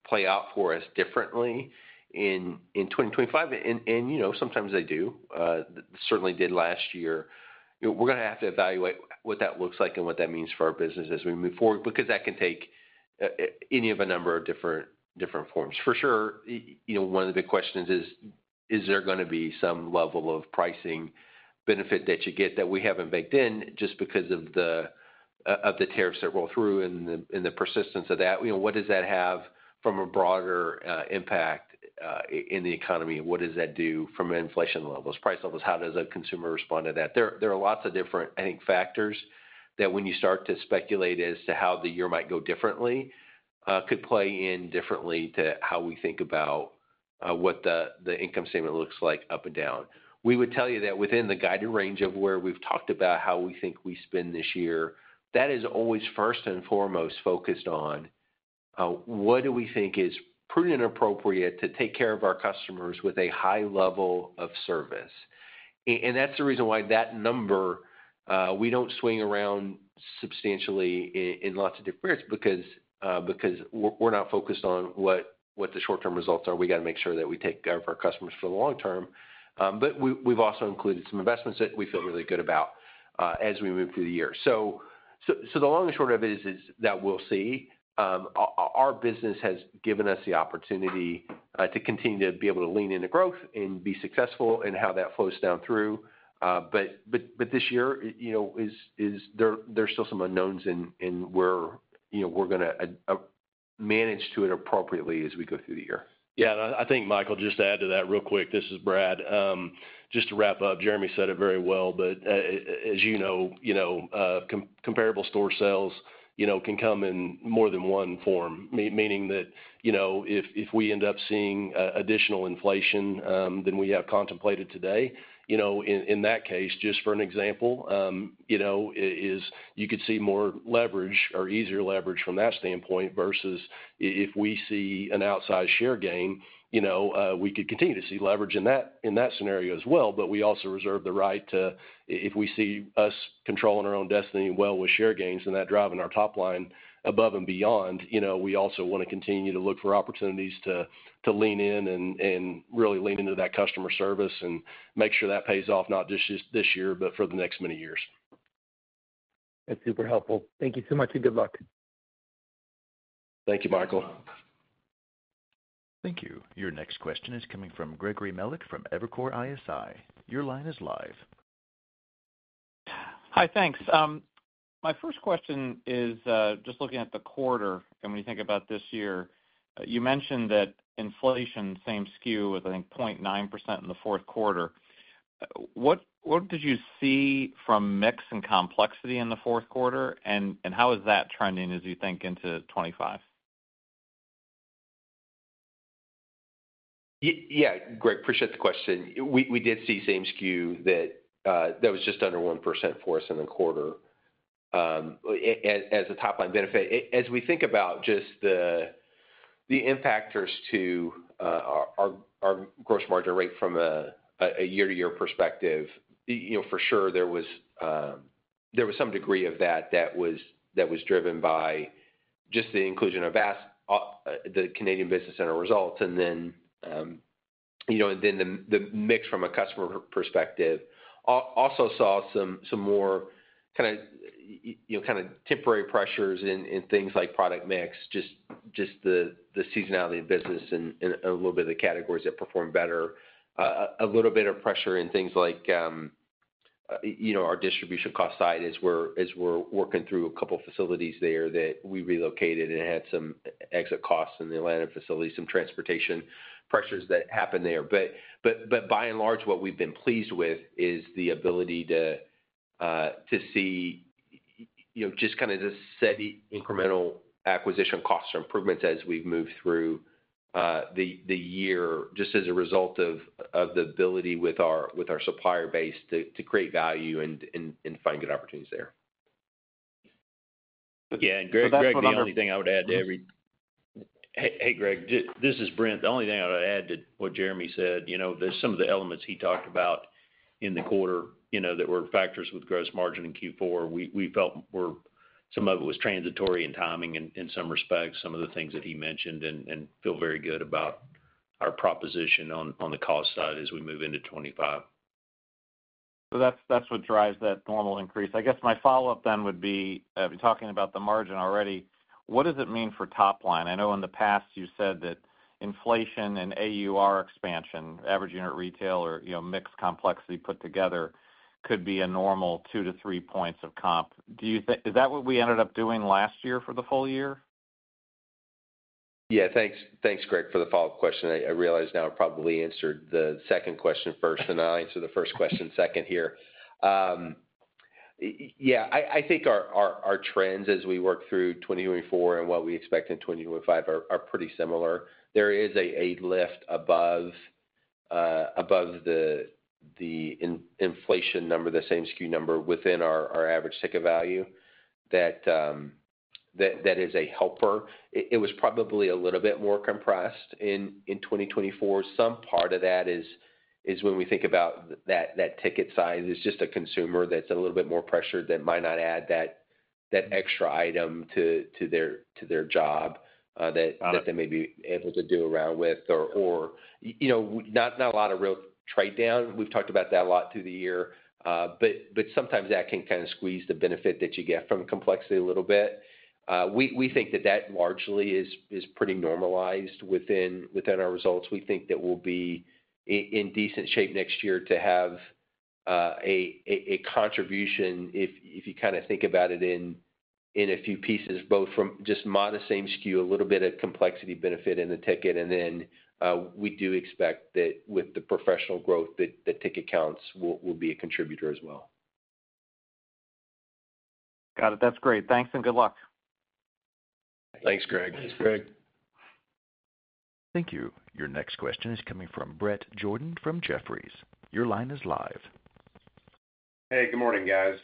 play out for us differently in 2025, and sometimes they do, certainly did last year, we're going to have to evaluate what that looks like and what that means for our business as we move forward because that can take any of a number of different forms. For sure, one of the big questions is, is there going to be some level of pricing benefit that you get that we haven't baked in just because of the tariffs that roll through and the persistence of that? What does that have from a broader impact in the economy? What does that do from inflation levels, price levels? How does a consumer respond to that? There are lots of different, I think, factors that when you start to speculate as to how the year might go differently could play in differently to how we think about what the income statement looks like up and down. We would tell you that within the guided range of where we've talked about how we think we spend this year, that is always first and foremost focused on what do we think is prudent and appropriate to take care of our customers with a high level of service, and that's the reason why that number, we don't swing around substantially in lots of different areas because we're not focused on what the short-term results are. We got to make sure that we take care of our customers for the long term. But we've also included some investments that we feel really good about as we move through the year. So the long and short of it is that we'll see. Our business has given us the opportunity to continue to be able to lean into growth and be successful in how that flows down through. But this year, there's still some unknowns and we're going to manage to it appropriately as we go through the year. Yeah. And I think, Michael, just to add to that real quick, this is Brad. Just to wrap up, Jeremy said it very well, but as you know, comparable store sales can come in more than one form, meaning that if we end up seeing additional inflation than we have contemplated today, in that case, just for an example, you could see more leverage or easier leverage from that standpoint versus if we see an outsized share gain, we could continue to see leverage in that scenario as well, but we also reserve the right to, if we see us controlling our own destiny well with share gains and that driving our top line above and beyond, we also want to continue to look for opportunities to lean in and really lean into that customer service and make sure that pays off not just this year, but for the next many years. That's super helpful. Thank you so much and good luck. Thank you, Michael. Thank you. Your next question is coming from Greg Melich from Evercore ISI. Your line is live. Hi, thanks. My first question is just looking at the quarter and when you think about this year, you mentioned that inflation, same-SKU with, I think, 0.9% in the fourth quarter. What did you see from mix and complexity in the fourth quarter, and how is that trending as you think into 2025? Yeah. Great. Appreciate the question. We did see same-SKU that was just under 1% for us in the quarter as a top-line benefit. As we think about just the impactors to our gross margin rate from a year-to-year perspective, for sure, there was some degree of that that was driven by just the inclusion of the Canadian business center results. And then the mix from a customer perspective also saw some more kind of temporary pressures in things like product mix, just the seasonality of business and a little bit of the categories that perform better. A little bit of pressure in things like our distribution cost side as we're working through a couple of facilities there that we relocated and had some exit costs in the Atlanta facility, some transportation pressures that happened there. But by and large, what we've been pleased with is the ability to see just kind of the steady incremental acquisition costs or improvements as we've moved through the year just as a result of the ability with our supplier base to create value and find good opportunities there. The only thing I would add to what Jeremy said. There's some of the elements he talked about in the quarter that were factors with gross margin in Q4. We felt some of it was transitory in timing in some respects, some of the things that he mentioned, and feel very good about our proposition on the cost side as we move into 2025. So that's what drives that normal increase. I guess my follow-up then would be, talking about the margin already, what does it mean for top line? I know in the past you said that inflation and AUR expansion, average unit retail or mixed complexity put together could be a normal two to three points of comp. Is that what we ended up doing last year for the full year? Yeah. Thanks, Greg, for the follow-up question. I realize now I probably answered the second question first, and I'll answer the first question second here. Yeah. I think our trends as we work through 2024 and what we expect in 2025 are pretty similar. There is a lift above the inflation number, the same SKU number within our average ticket value that is a helper. It was probably a little bit more compressed in 2024. Some part of that is when we think about that ticket size, it's just a consumer that's a little bit more pressured that might not add that extra item to their job that they may be able to do around with or not a lot of real trade down. We've talked about that a lot through the year, but sometimes that can kind of squeeze the benefit that you get from complexity a little bit. We think that that largely is pretty normalized within our results. We think that we'll be in decent shape next year to have a contribution if you kind of think about it in a few pieces, both from just modest same SKU, a little bit of comp mix benefit in the ticket. And then we do expect that with the professional growth, the ticket counts will be a contributor as well. Got it. That's great. Thanks and good luck. Thanks, Greg. Thanks, Greg. Thank you. Your next question is coming from Brett Jordan from Jefferies. Your line is live. Hey, good morning, guys.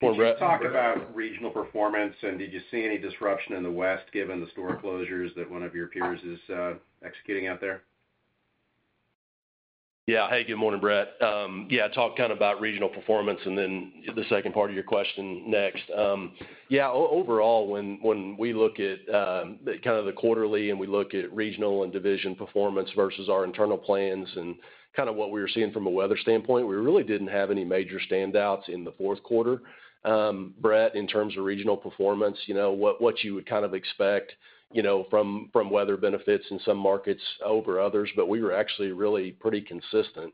Did you talk about regional performance and did you see any disruption in the West given the store closures that one of your peers is executing out there? Yeah. Hey, good morning, Brett. Yeah. I talked kind of about regional performance and then the second part of your question next. Yeah. Overall, when we look at kind of the quarterly and we look at regional and division performance versus our internal plans and kind of what we were seeing from a weather standpoint, we really didn't have any major standouts in the Q4. Brett, in terms of regional performance, what you would kind of expect from weather benefits in some markets over others, but we were actually really pretty consistent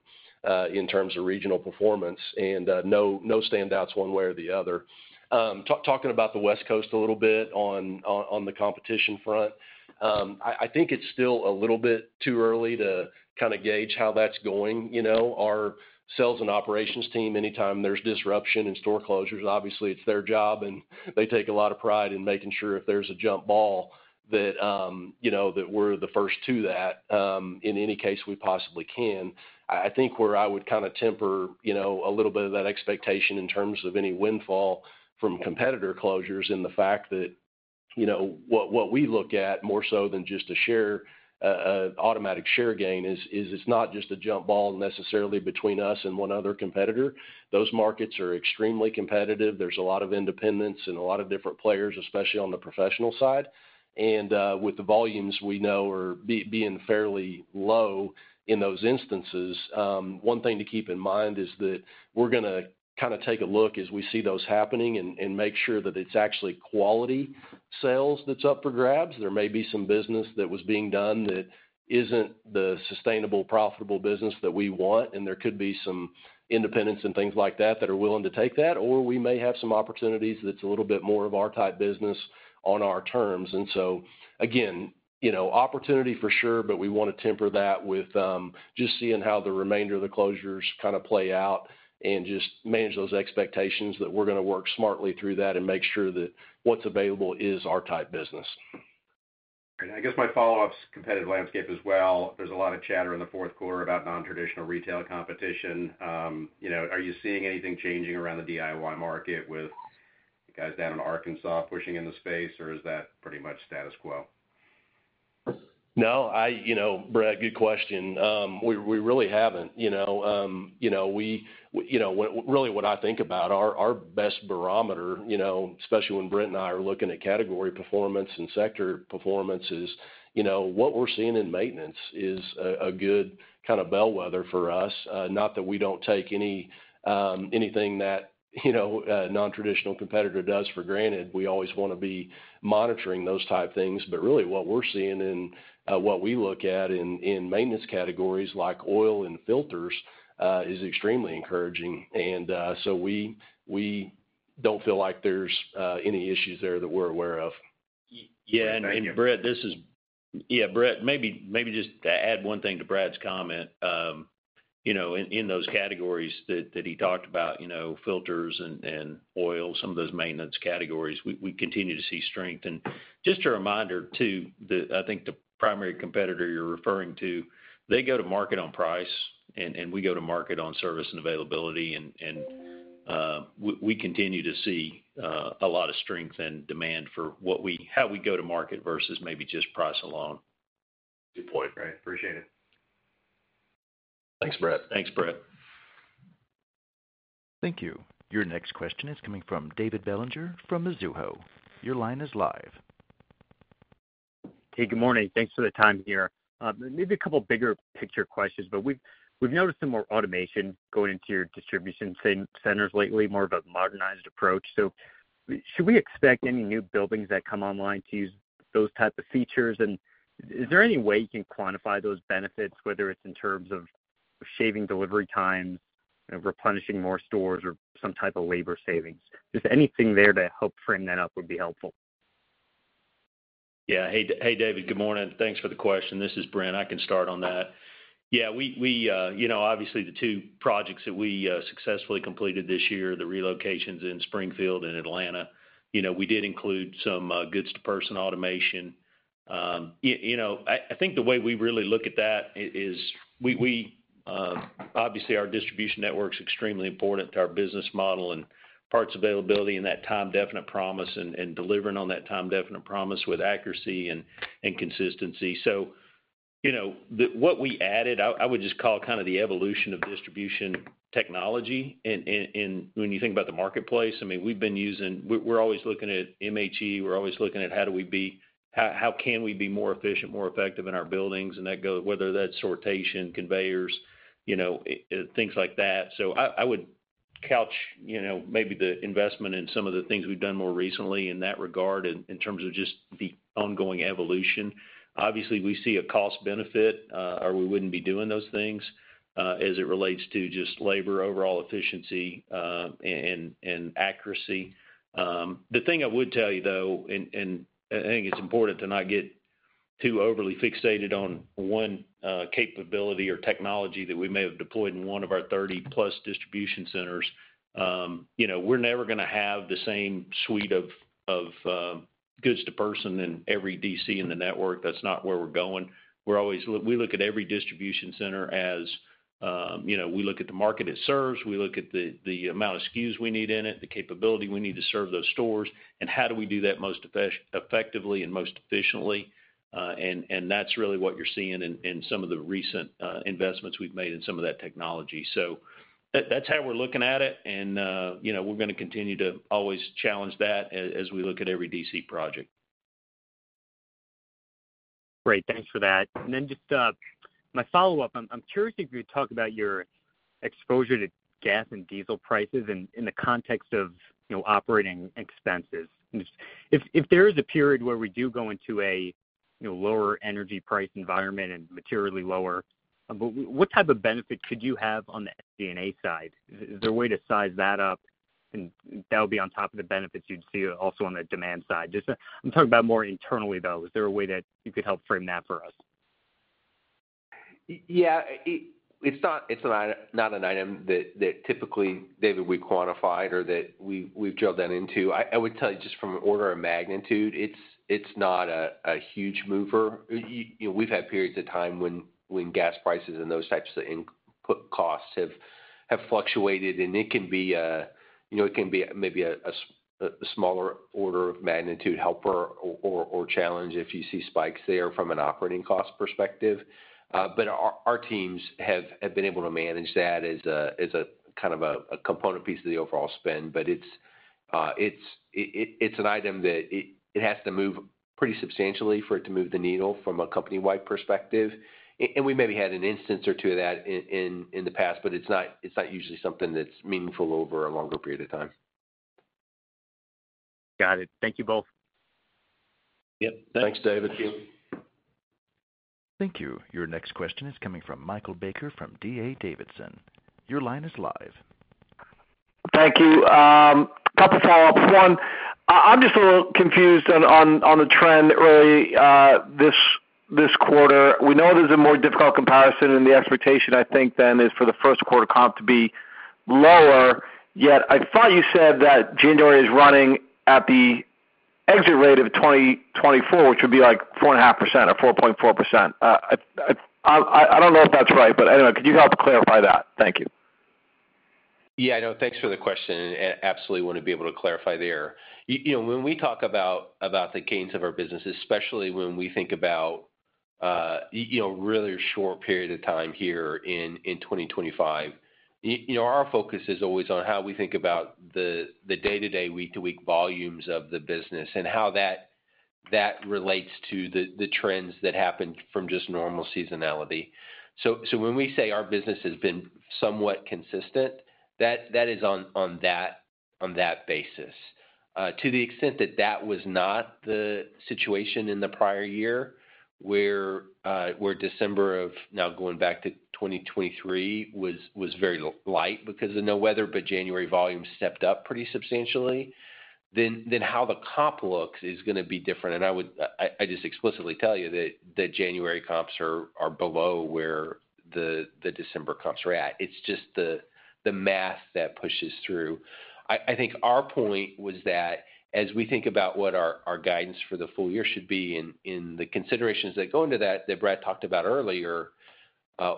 in terms of regional performance and no standouts one way or the other. Talking about the West Coast a little bit on the competition front, I think it's still a little bit too early to kind of gauge how that's going. Our sales and operations team, anytime there's disruption in store closures, obviously it's their job and they take a lot of pride in making sure if there's a jump ball that we're the first to that in any case we possibly can. I think where I would kind of temper a little bit of that expectation in terms of any windfall from competitor closures in the fact that what we look at more so than just a automatic share gain is it's not just a jump ball necessarily between us and one other competitor. Those markets are extremely competitive. There's a lot of independents and a lot of different players, especially on the professional side. With the volumes we know are being fairly low in those instances, one thing to keep in mind is that we're going to kind of take a look as we see those happening and make sure that it's actually quality sales that's up for grabs. There may be some business that was being done that isn't the sustainable, profitable business that we want, and there could be some independents and things like that that are willing to take that, or we may have some opportunities that's a little bit more of our type business on our terms. So again, opportunity for sure, but we want to temper that with just seeing how the remainder of the closures kind of play out and just manage those expectations that we're going to work smartly through that and make sure that what's available is our type business. I guess my follow-up's competitive landscape as well. There's a lot of chatter in the fourth quarter about non-traditional retail competition. Are you seeing anything changing around the DIY market with guys down in Arkansas pushing in the space, or is that pretty much status quo? No, Brett, good question. We really haven't. Really, what I think about our best barometer, especially when Brett and I are looking at category performance and sector performance is what we're seeing in maintenance is a good kind of bellwether for us. Not that we don't take anything that a non-traditional competitor does for granted. We always want to be monitoring those type things. But really, what we're seeing in what we look at in maintenance categories like oil and filters is extremely encouraging. And so we don't feel like there's any issues there that we're aware of. Yeah. And Brett, maybe just to add one thing to Brad's comment in those categories that he talked about, filters and oil, some of those maintenance categories, we continue to see strength. And just a reminder too, I think the primary competitor you're referring to, they go to market on price and we go to market on service and availability. And we continue to see a lot of strength and demand for how we go to market versus maybe just price alone. Good point, Brad. Appreciate it. Thanks, Brett. Thanks, Brett. Thank you. Your next question is coming from David Bellinger from Mizuho. Your line is live. Hey, good morning. Thanks for the time here. Maybe a couple of bigger picture questions, but we've noticed some more automation going into your distribution centers lately, more of a modernized approach. So should we expect any new buildings that come online to use those type of features? And is there any way you can quantify those benefits, whether it's in terms of shaving delivery times, replenishing more stores, or some type of labor savings? Just anything there to help frame that up would be helpful. Yeah. Hey, David, good morning. Thanks for the question. This is Brent. I can start on that. Yeah. Obviously, the two projects that we successfully completed this year, the relocations in Springfield and Atlanta, we did include some goods-to-person automation. I think the way we really look at that is obviously our distribution network is extremely important to our business model and parts availability and that time-definite promise and delivering on that time-definite promise with accuracy and consistency. So what we added, I would just call kind of the evolution of distribution technology. And when you think about the marketplace, I mean, we're always looking at MHE. We're always looking at how we can be more efficient, more effective in our buildings, and that goes whether that's sortation, conveyors, things like that. So I would couch maybe the investment in some of the things we've done more recently in that regard in terms of just the ongoing evolution. Obviously, we see a cost benefit or we wouldn't be doing those things as it relates to just labor overall efficiency and accuracy. The thing I would tell you, though, and I think it's important to not get too overly fixated on one capability or technology that we may have deployed in one of our +30 distribution centers. We're never going to have the same suite of goods-to-person in every DC in the network. That's not where we're going. We look at every distribution center as we look at the market it serves. We look at the amount of SKUs we need in it, the capability we need to serve those stores, and how do we do that most effectively and most efficiently. And that's really what you're seeing in some of the recent investments we've made in some of that technology. So that's how we're looking at it. And we're going to continue to always challenge that as we look at every DC project. Great. Thanks for that. And then just my follow-up, I'm curious if you could talk about your exposure to gas and diesel prices in the context of operating expenses. If there is a period where we do go into a lower energy price environment and materially lower, what type of benefit could you have on the DIY side? Is there a way to size that up? And that would be on top of the benefits you'd see also on the demand side. I'm talking about more internally, though. Is there a way that you could help frame that for us? Yeah. It's not an item that typically, David, we quantified or that we've drilled that into. I would tell you just from an order of magnitude, it's not a huge mover. We've had periods of time when gas prices and those types of costs have fluctuated, and it can be maybe a smaller order of magnitude helper or challenge if you see spikes there from an operating cost perspective. But our teams have been able to manage that as a kind of a component piece of the overall spend. But it's an item that it has to move pretty substantially for it to move the needle from a company-wide perspective. And we maybe had an instance or two of that in the past, but it's not usually something that's meaningful over a longer period of time. Got it. Thank you both. Yep. Thanks, David. Thank you. Thank you. Your next question is coming from Michael Baker from D.A. Davidson. Your line is live. Thank you. A couple of follow-ups. One, I'm just a little confused on the trend early this quarter. We know there's a more difficult comparison in the expectation, I think, than is for the first quarter comp to be lower. Yet I thought you said that January is running at the exit rate of 2024, which would be like 4.5% or 4.4%. I don't know if that's right, but anyway, could you help clarify that? Thank you. Yeah. No, thanks for the question. Absolutely want to be able to clarify there. When we talk about the gains of our business, especially when we think about a really short period of time here in 2025, our focus is always on how we think about the day-to-day, week-to-week volumes of the business and how that relates to the trends that happened from just normal seasonality. So when we say our business has been somewhat consistent, that is on that basis. To the extent that that was not the situation in the prior year where December, now going back to 2023, was very light because of no weather, but January volumes stepped up pretty substantially, then how the comp looks is going to be different, and I just explicitly tell you that January comps are below where the December comps are at. It's just the math that pushes through. I think our point was that as we think about what our guidance for the full year should be and the considerations that go into that that Brad talked about earlier,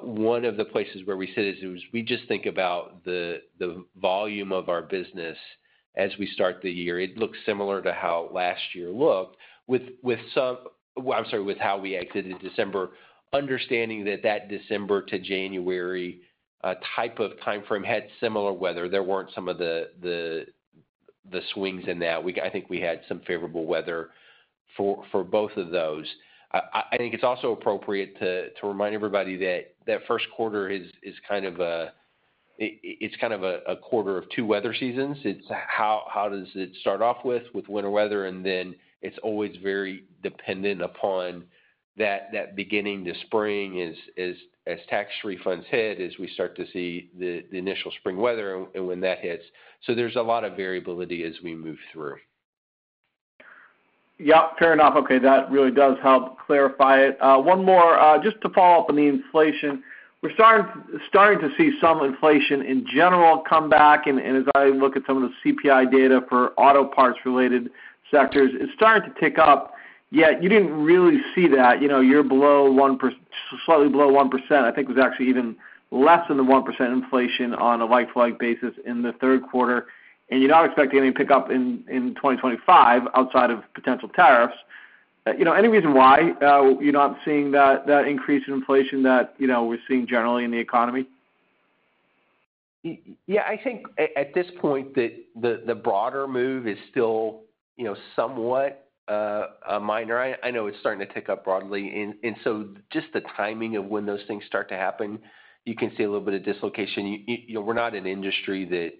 one of the places where we sit is we just think about the volume of our business as we start the year. It looks similar to how last year looked with some I'm sorry, with how we exited December, understanding that that December to January type of timeframe had similar weather. There weren't some of the swings in that. I think we had some favorable weather for both of those. I think it's also appropriate to remind everybody that that first quarter is kind of a it's kind of a quarter of two weather seasons. It's how does it start off with winter weather, and then it's always very dependent upon that beginning to spring as tax refunds hit as we start to see the initial spring weather and when that hits. So there's a lot of variability as we move through. Yep. Fair enough. Okay. That really does help clarify it. One more, just to follow up on the inflation. We're starting to see some inflation in general come back. And as I look at some of the CPI data for auto parts-related sectors, it's starting to tick up. Yet you didn't really see that. You're below 1%, slightly below 1%. I think it was actually even less than the 1% inflation on a like-for-like basis in the third quarter. And you're not expecting any pickup in 2025 outside of potential tariffs. Any reason why you're not seeing that increase in inflation that we're seeing generally in the economy? Yeah. I think at this point that the broader move is still somewhat minor. I know it's starting to tick up broadly. And so just the timing of when those things start to happen, you can see a little bit of dislocation. We're not an industry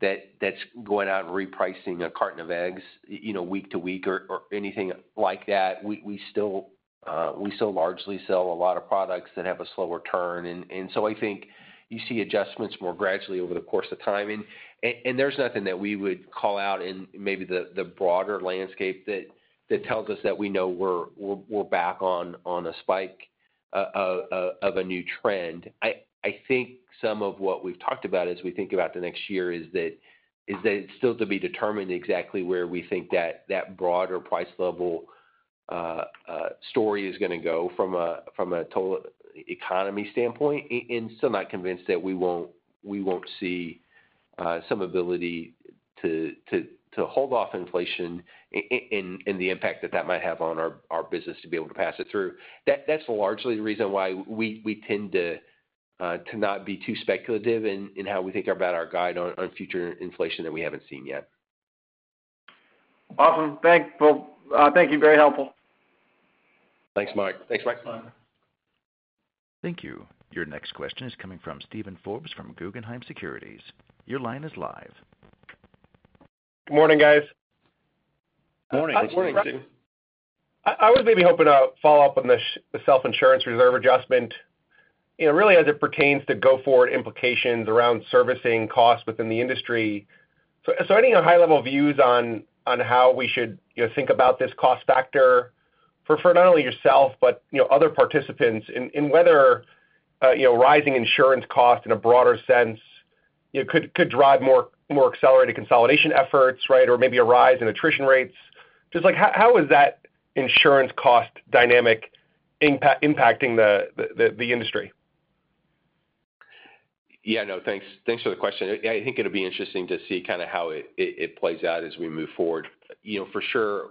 that's going out and repricing a carton of eggs week to week or anything like that. We still largely sell a lot of products that have a slower turn. And so I think you see adjustments more gradually over the course of time. And there's nothing that we would call out in maybe the broader landscape that tells us that we know we're back on a spike of a new trend. I think some of what we've talked about as we think about the next year is that it's still to be determined exactly where we think that broader price level story is going to go from a total economy standpoint, and still not convinced that we won't see some ability to hold off inflation and the impact that that might have on our business to be able to pass it through. That's largely the reason why we tend to not be too speculative in how we think about our guide on future inflation that we haven't seen yet. Awesome. Thank you. Very helpful. Thanks, Mike. Thanks, Mike. Thank you. Your next question is coming from Steven Forbes from Guggenheim Securities. Your line is live. Good morning, guys. Morning. Good morning, Steven. I was maybe hoping to follow up on the self-insurance reserve adjustment really as it pertains to go-forward implications around servicing costs within the industry. So I think high-level views on how we should think about this cost factor for not only yourself, but other participants in whether rising insurance costs in a broader sense could drive more accelerated consolidation efforts, right, or maybe a rise in attrition rates. Just how is that insurance cost dynamic impacting the industry? Yeah. No, thanks for the question. I think it'll be interesting to see kind of how it plays out as we move forward. For sure,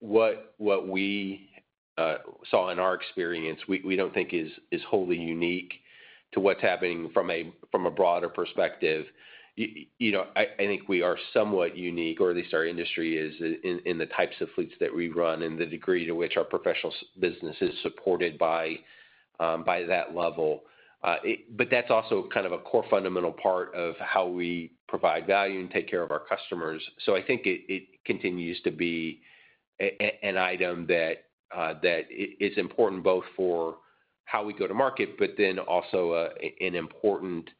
what we saw in our experience, we don't think is wholly unique to what's happening from a broader perspective. I think we are somewhat unique, or at least our industry is, in the types of fleets that we run and the degree to which our professional business is supported by that level. But that's also kind of a core fundamental part of how we provide value and take care of our customers. So I think it continues to be an item that is important both for how we go to market, but then also an important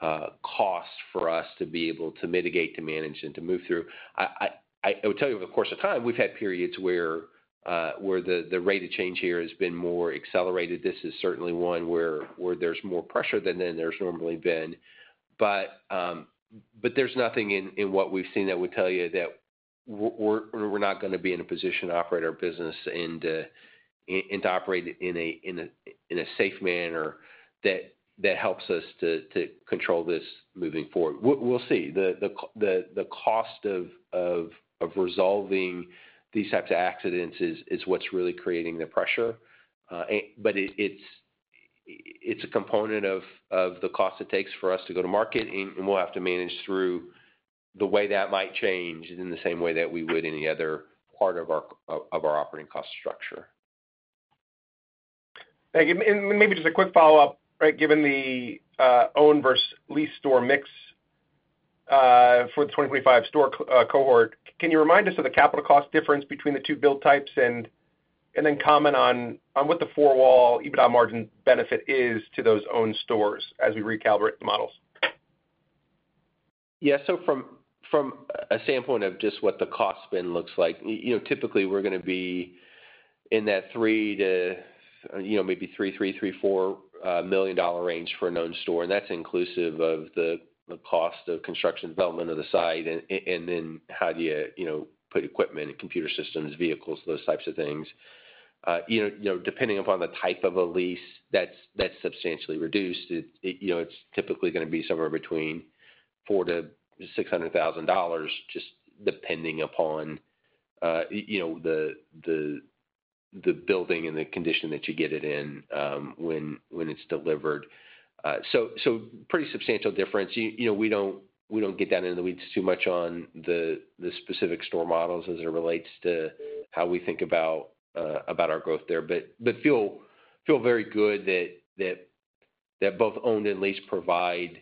cost for us to be able to mitigate, to manage, and to move through. I will tell you, over the course of time, we've had periods where the rate of change here has been more accelerated. This is certainly one where there's more pressure than there's normally been. But there's nothing in what we've seen that would tell you that we're not going to be in a position to operate our business and to operate in a safe manner that helps us to control this moving forward. We'll see. The cost of resolving these types of accidents is what's really creating the pressure. But it's a component of the cost it takes for us to go to market, and we'll have to manage through the way that might change in the same way that we would any other part of our operating cost structure. Thank you. And maybe just a quick follow-up, right, given the owned versus leased store mix for the 2025 store cohort. Can you remind us of the capital cost difference between the two build types and then comment on what the four-wall EBITDA margin benefit is to those owned stores as we recalibrate the models? Yeah. So from a standpoint of just what the cost spend looks like, typically, we're going to be in that three- to maybe $3 million-$4 million range for an owned store. And that's inclusive of the cost of construction, development of the site and then how do you put equipment and computer systems, vehicles, those types of things. Depending upon the type of a lease, that's substantially reduced. It's typically going to be somewhere between $400,000-$600,000, just depending upon the building and the condition that you get it in when it's delivered. So pretty substantial difference. We don't get down into the weeds too much on the specific store models as it relates to how we think about our growth there. But feel very good that both owned and leased provide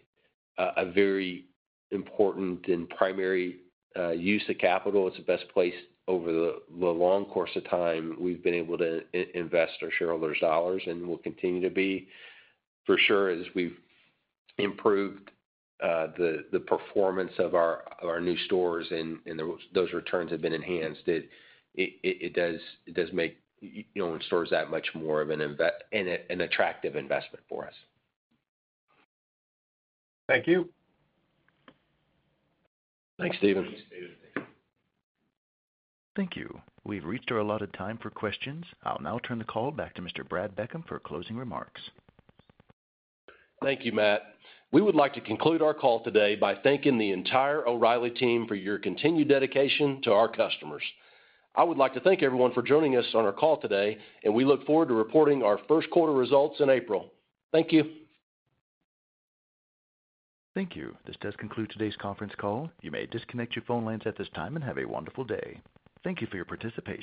a very important and primary use of capital. It's the best place over the long course of time we've been able to invest investors' dollars, and we'll continue to be. For sure, as we've improved the performance of our new stores and those returns have been enhanced, it does make owned stores that much more of an attractive investment for us. Thank you. Thanks, Steven. Thank you. We've reached our allotted time for questions. I'll now turn the call back to Mr. Brad Beckham for closing remarks. Thank you, Matt. We would like to conclude our call today by thanking the entire O'Reilly team for your continued dedication to our customers. I would like to thank everyone for joining us on our call today, and we look forward to reporting our first quarter results in April. Thank you. Thank you. This does conclude today's conference call. You may disconnect your phone lines at this time and have a wonderful day. Thank you for your participation.